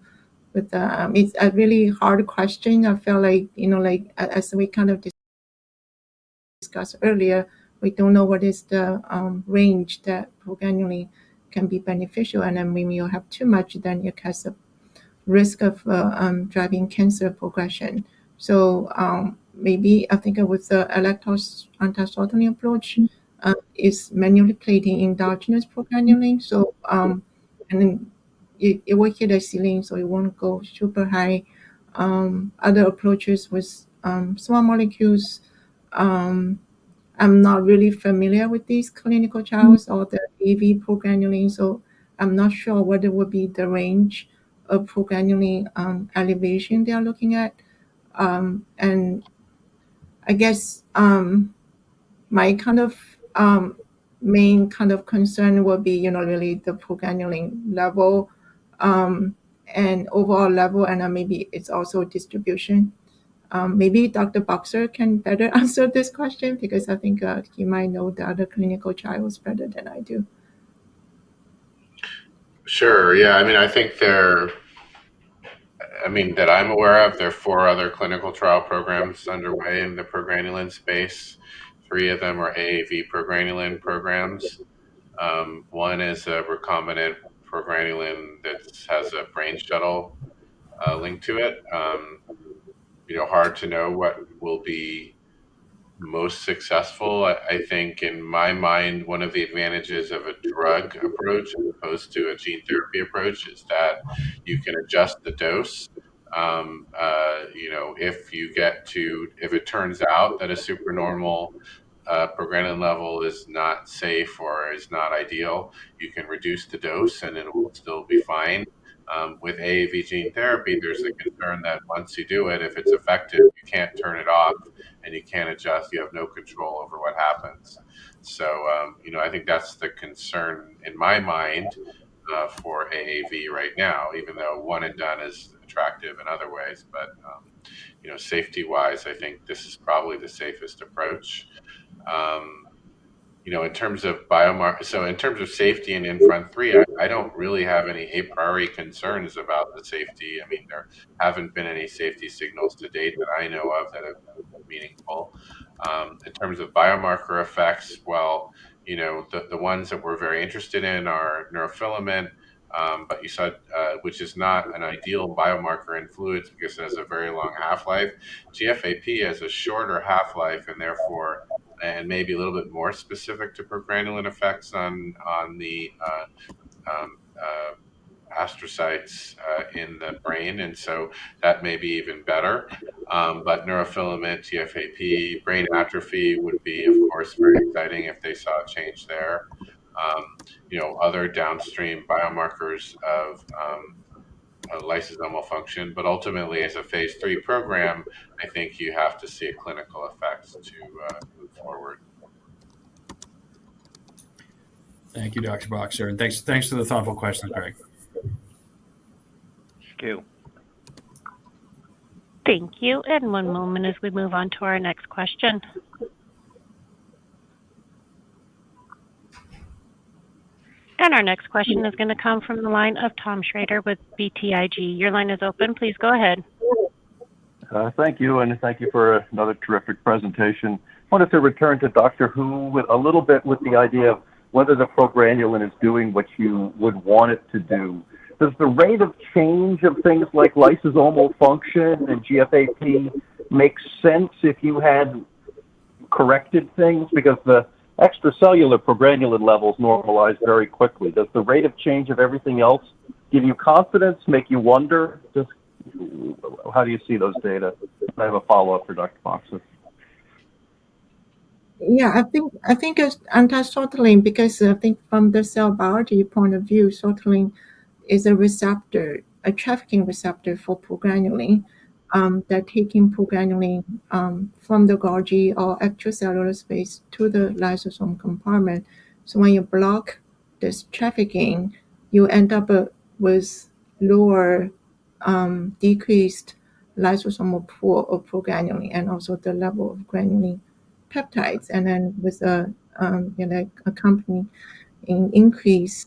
It's a really hard question. I feel like, you know, like, as we kind of discussed earlier, we don't know what is the range that progranulin can be beneficial, and then when you have too much, then you cause the risk of driving cancer progression. So, maybe, I think with the AL101's anti-sortilin approach is manipulating endogenous progranulin. So, and it works at a ceiling, so it won't go super high. Other approaches with small molecules, I'm not really familiar with these clinical trials or the AAV progranulin, so I'm not sure what would be the range of progranulin elevation they are looking at. And I guess, my kind of main kind of concern would be, you know, really the progranulin level, and overall level, and then maybe it's also distribution. Maybe Dr. Boxer can better answer this question because I think, he might know the other clinical trials better than I do. Sure. Yeah, I mean, I think that I'm aware of, there are four other clinical trial programs underway in the progranulin space. Three of them are AAV progranulin programs. One is a recombinant progranulin that has a brain shuttle linked to it. You know, hard to know what will be most successful. I think in my mind, one of the advantages of a drug approach as opposed to a gene therapy approach is that you can adjust the dose. You know, if it turns out that a supernormal progranulin level is not safe or is not ideal, you can reduce the dose, and it will still be fine. With AAV gene therapy, there's a concern that once you do it, if it's effective, you can't turn it off, and you can't adjust. You have no control over what happens. So, you know, I think that's the concern in my mind, for AAV right now, even though one and done is attractive in other ways. But, you know, safety-wise, I think this is probably the safest approach. You know, in terms of biomarker, so in terms of safety and INFRONT-3, I don't really have any a priori concerns about the safety. I mean, there haven't been any safety signals to date that I know of that have been meaningful. In terms of biomarker effects, well, you know, the, the ones that we're very interested in are neurofilament, but you said, which is not an ideal biomarker in fluids because it has a very long half-life. GFAP has a shorter half-life and therefore, and maybe a little bit more specific to progranulin effects on, on the astrocytes in the brain, and so that may be even better. But neurofilament, GFAP, brain atrophy would be, of course, very exciting if they saw a change there. You know, other downstream biomarkers of lysosomal function, but ultimately, as a phase three program, I think you have to see a clinical effect to move forward. Thank you, Dr. Boxer, and thanks, thanks for the thoughtful question, Greg. Thank you. Thank you. And one moment as we move on to our next question. And our next question is going to come from the line of Tom Shrader with BTIG. Your line is open. Please, go ahead. Thank you, and thank you for another terrific presentation. I wanted to return to Dr. Hu with a little bit with the idea of whether the progranulin is doing what you would want it to do. Does the rate of change of things like lysosomal function and GFAP make sense if you had corrected things? Because the extracellular progranulin levels normalize very quickly. Does the rate of change of everything else give you confidence, make you wonder? Just how do you see those data? I have a follow-up for Dr. Boxer. Yeah, I think it's anti-sortilin because I think from the cell biology point of view, sortilin is a receptor, a trafficking receptor for progranulin. They're taking progranulin from the Golgi or extracellular space to the lysosome compartment. So when you block this trafficking, you end up with lower, decreased lysosomal pool of progranulin and also the level of granulin peptides, and then with a, you know, accompanying an increase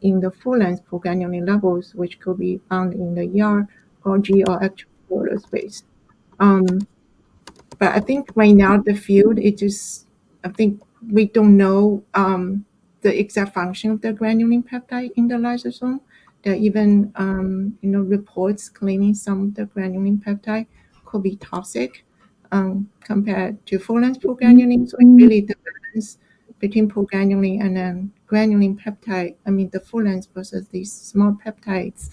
in the full-length progranulin levels, which could be found in the ER, Golgi, or extracellular space. But I think right now, the field, I think we don't know the exact function of the granulin peptide in the lysosome. There are even, you know, reports claiming some of the granulin peptide could be toxic, compared to full-length progranulin. So really, the difference between progranulin and then granulin peptide, I mean, the full length versus these small peptides,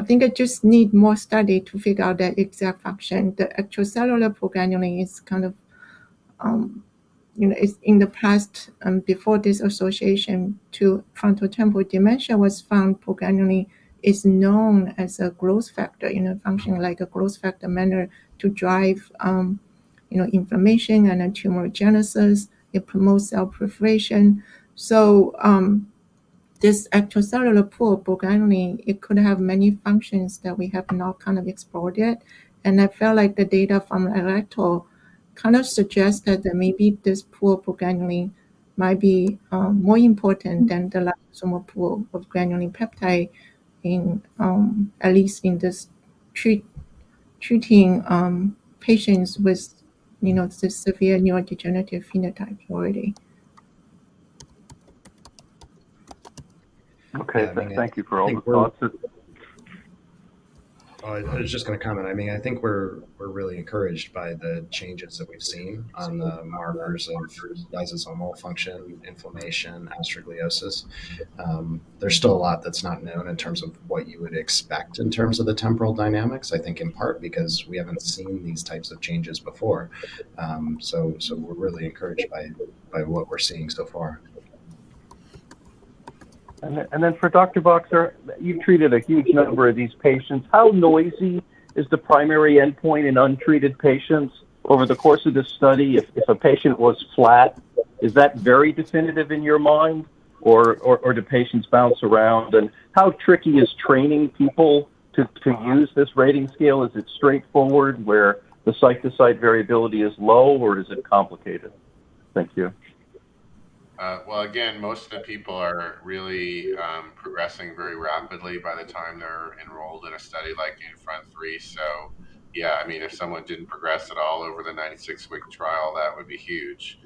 I think I just need more study to figure out the exact function. The extracellular progranulin is kind of, you know, it's in the past, before this association to frontotemporal dementia was found, progranulin is known as a growth factor, you know, functioning like a growth factor manner to drive, you know, inflammation and then tumorigenesis. It promotes cell proliferation. So, this extracellular pool of progranulin, it could have many functions that we have not kind of explored yet. I feel like the data from Alector kind of suggests that maybe this pool of progranulin might be more important than the lysosomal pool of granulin peptide in at least in this treating patients with, you know, this severe neurodegenerative phenotype already. Okay, thank you for all the thoughts. I was just going to comment. I mean, I think we're really encouraged by the changes that we've seen on the markers of lysosomal function, inflammation, astrogliosis. There's still a lot that's not known in terms of what you would expect in terms of the temporal dynamics. I think in part because we haven't seen these types of changes before. So we're really encouraged by what we're seeing so far. And then for Dr. Boxer, you treated a huge number of these patients. How noisy is the primary endpoint in untreated patients over the course of this study? If a patient was flat, is that very definitive in your mind, or do patients bounce around? And how tricky is training people to use this rating scale? Is it straightforward, where the site-to-site variability is low, or is it complicated? Thank you. Well, again, most of the people are really progressing very rapidly by the time they're enrolled in a study like INFRONT-3. So yeah, I mean, if someone didn't progress at all over the 96-week trial, that would be huge,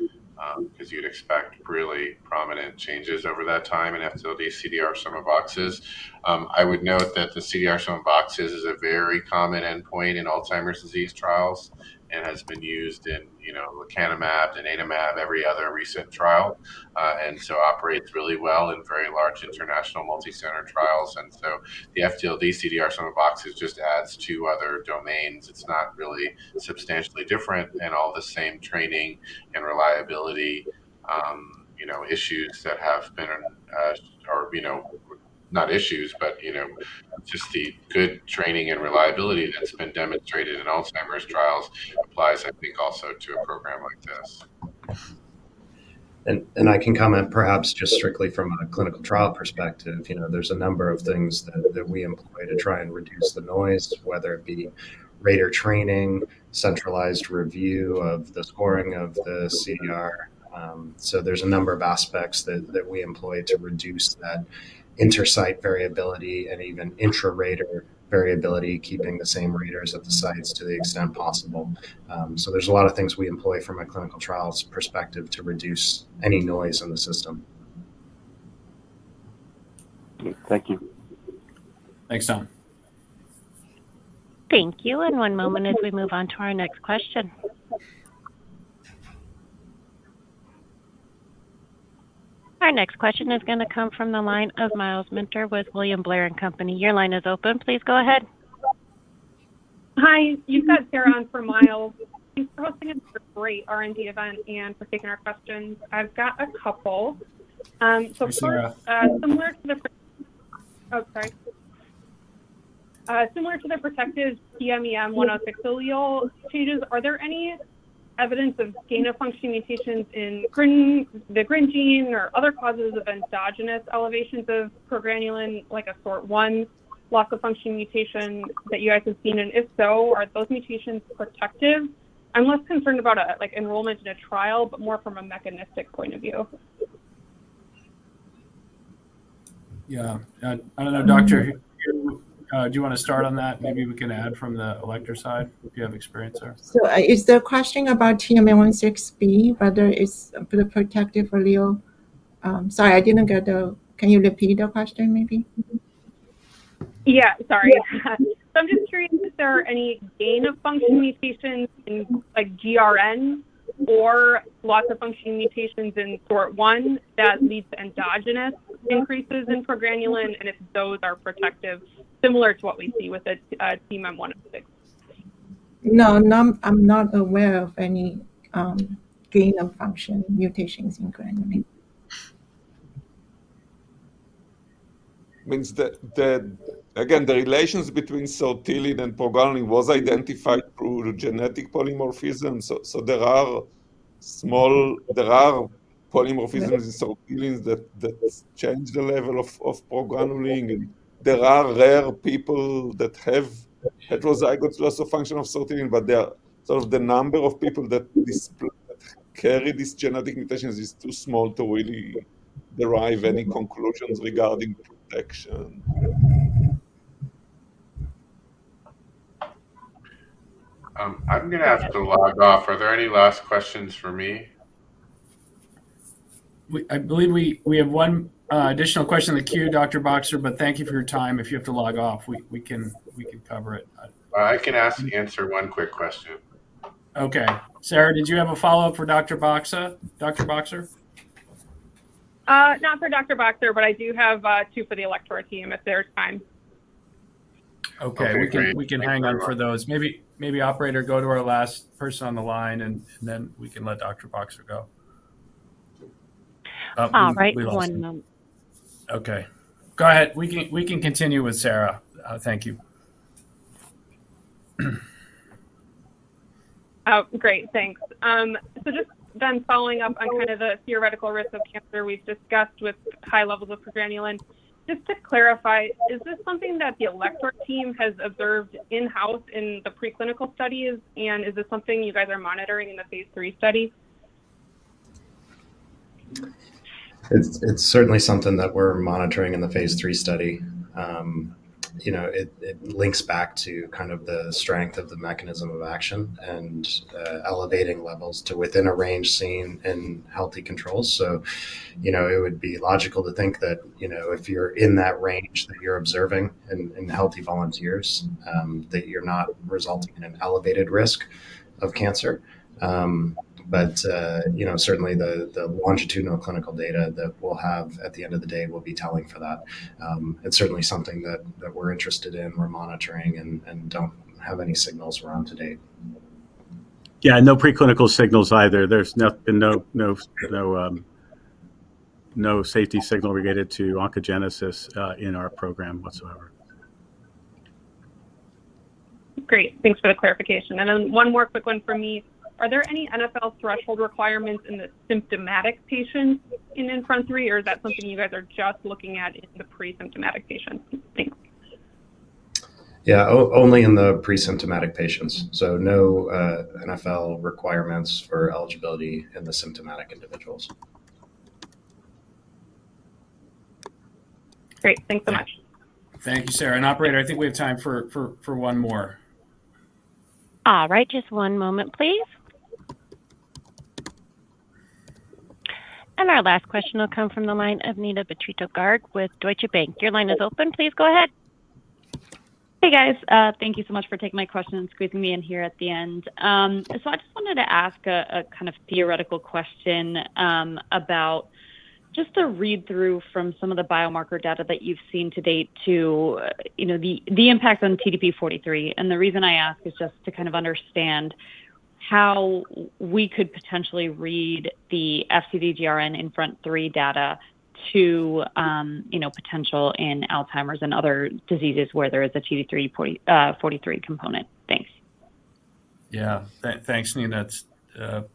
because you'd expect really prominent changes over that time in FTLD-CDR sum of boxes. I would note that the CDR sum of boxes is a very common endpoint in Alzheimer's disease trials and has been used in, you know, lecanemab and donanemab, every other recent trial, and so operates really well in very large international multicenter trials. And so the FTLD-CDR sum of boxes just adds two other domains. It's not really substantially different in all the same training and reliability, you know, issues that have been, you know, not issues, but, you know, just the good training and reliability that's been demonstrated in Alzheimer's trials applies, I think, also to a program like this. I can comment perhaps just strictly from a clinical trial perspective. You know, there's a number of things that we employ to try and reduce the noise, whether it be rater training, centralized review of the scoring of the CDR. So there's a number of aspects that we employ to reduce that inter-site variability and even intra-rater variability, keeping the same readers at the sites to the extent possible. So there's a lot of things we employ from a clinical trials perspective to reduce any noise in the system. Thank you. Thanks, Tom. Thank you, and one moment as we move on to our next question. Our next question is gonna come from the line of Miles Minter with William Blair & Company. Your line is open. Please go ahead. Hi, you've got Sarah on for Miles. Thanks for hosting a great R&D event and for taking our questions. I've got a couple. So first- Thanks, Sarah. Similar to the protective TMEM106 allele changes, are there any evidence of gain-of-function mutations in GRN, the GRN gene or other causes of endogenous elevations of progranulin, like a SORT1 loss-of-function mutation that you guys have seen? And if so, are those mutations protective? I'm less concerned about a, like, enrollment in a trial, but more from a mechanistic point of view. Yeah. I don't know, Doctor, do you wanna start on that? Maybe we can add from the Alector side, if you have experience there. So is the question about TMEM106B, whether it's for the protective allele? Sorry, I didn't get the, Can you repeat the question, maybe? Yeah, sorry. So I'm just curious if there are any gain-of-function mutations in, like, GRN or loss-of-function mutations in SORT1 that lead to endogenous increases in progranulin, and if those are protective, similar to what we see with a TMEM106B? No, not. I'm not aware of any gain-of-function mutations in granulin. Meaning the relations between sortilin and progranulin was identified through the genetic polymorphism. So there are polymorphisms in sortilin that has changed the level of progranulin. There are rare people that have heterozygous loss-of-function of sortilin, but there are. So the number of people that display, carry these genetic mutations is too small to really derive any conclusions regarding protection. I'm gonna have to log off. Are there any last questions for me? I believe we have one additional question in the queue, Dr. Boxer, but thank you for your time. If you have to log off, we can cover it. I can answer one quick question. Okay. Sarah, did you have a follow-up for Dr. Boxer? Not for Dr. Boxer, but I do have two for the Alector team, if there's time. Okay. Okay, great. We can hang on for those. Maybe, operator, go to our last person on the line, and then we can let Dr. Boxer go. All right, one moment. Okay. Go ahead. We can, we can continue with Sara. Thank you. Oh, great. Thanks. So just then following up on kind of the theoretical risk of cancer we've discussed with high levels of progranulin, just to clarify, is this something that the Alector team has observed in-house in the preclinical studies? And is this something you guys are monitoring in the phase 3 study? It's certainly something that we're monitoring in the phase 3 study. You know, it links back to kind of the strength of the mechanism of action and elevating levels to within a range seen in healthy controls. So, you know, it would be logical to think that, you know, if you're in that range that you're observing in healthy volunteers, that you're not resulting in an elevated risk of cancer. But, you know, certainly the longitudinal clinical data that we'll have at the end of the day will be telling for that. It's certainly something that we're interested in, we're monitoring, and don't have any signals around to date. Yeah, no preclinical signals either. There's been no safety signal related to oncogenesis in our program whatsoever. Great. Thanks for the clarification. And then one more quick one for me. Are there any NfL threshold requirements in the symptomatic patient in INFRONT-3, or is that something you guys are just looking at in the presymptomatic patient? Thanks. Yeah, only in the presymptomatic patients, so no, NfL requirements for eligibility in the symptomatic individuals. Great. Thanks so much. Thank you, Sara. And operator, I think we have time for one more. All right, just one moment, please. Our last question will come from the line of Neena Bitritto-Garg with Deutsche Bank. Your line is open. Please go ahead. Hey, guys. Thank you so much for taking my question and squeezing me in here at the end. So I just wanted to ask a kind of theoretical question about just a read-through from some of the biomarker data that you've seen to date to, you know, the impact on TDP-43. And the reason I ask is just to kind of understand how we could potentially read the FTD-GRN INFRONT-3 data to, you know, potential in Alzheimer's and other diseases where there is a TDP-43 component. Thanks. Yeah, thanks, Neena. That's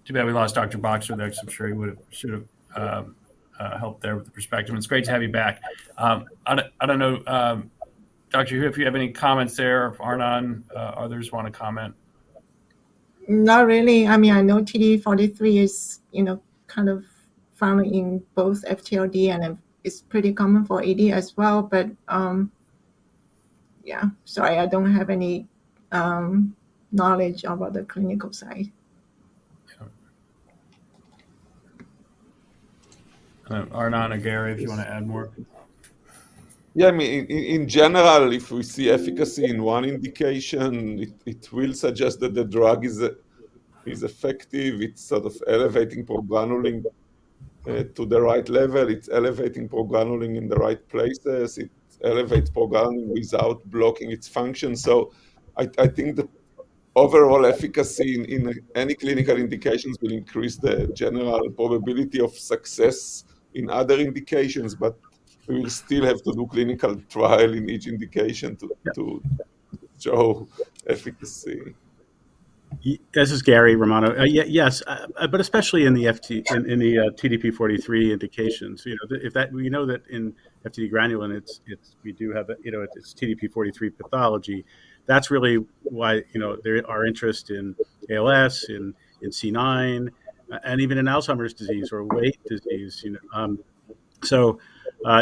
too bad we lost Dr. Boxer there, because I'm sure he would've helped there with the perspective. It's great to have you back. I don't know, Dr. Hu, if you have any comments there, or Arnon, others want to comment? Not really. I mean, I know TDP-43 is, you know, kind of found in both FTLD and, it's pretty common for AD as well, but, yeah. Sorry, I don't have any knowledge about the clinical side. Okay. Arnon or Gary, if you want to add more? Yeah, I mean, in general, if we see efficacy in one indication, it will suggest that the drug is effective. It's sort of elevating progranulin to the right level. It's elevating progranulin in the right places. It elevates progranulin without blocking its function. So I think the overall efficacy in any clinical indications will increase the general probability of success in other indications, but we will still have to do clinical trial in each indication to show efficacy. This is Gary Romano. Yes, but especially in the FTD in the TDP-43 indications. You know, if that, we know that in FTD-GRN, it's, it's we do have a, you know, it's TDP-43 pathology. That's really why, you know, there are interest in ALS, in C9, and even in Alzheimer's disease or LATE disease, you know. So,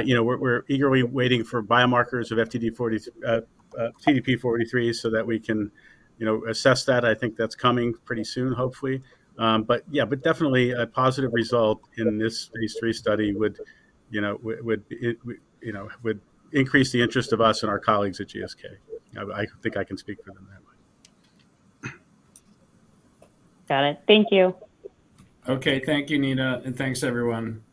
you know, we're, we're eagerly waiting for biomarkers of FTD for TDP-43, so that we can, you know, assess that. I think that's coming pretty soon, hopefully. But yeah, but definitely a positive result in this phase 3 study would, you know, would, it, would, you know, would increase the interest of us and our colleagues at GSK. I think I can speak for them that way. Got it. Thank you. Okay. Thank you, Neena, and thanks, everyone.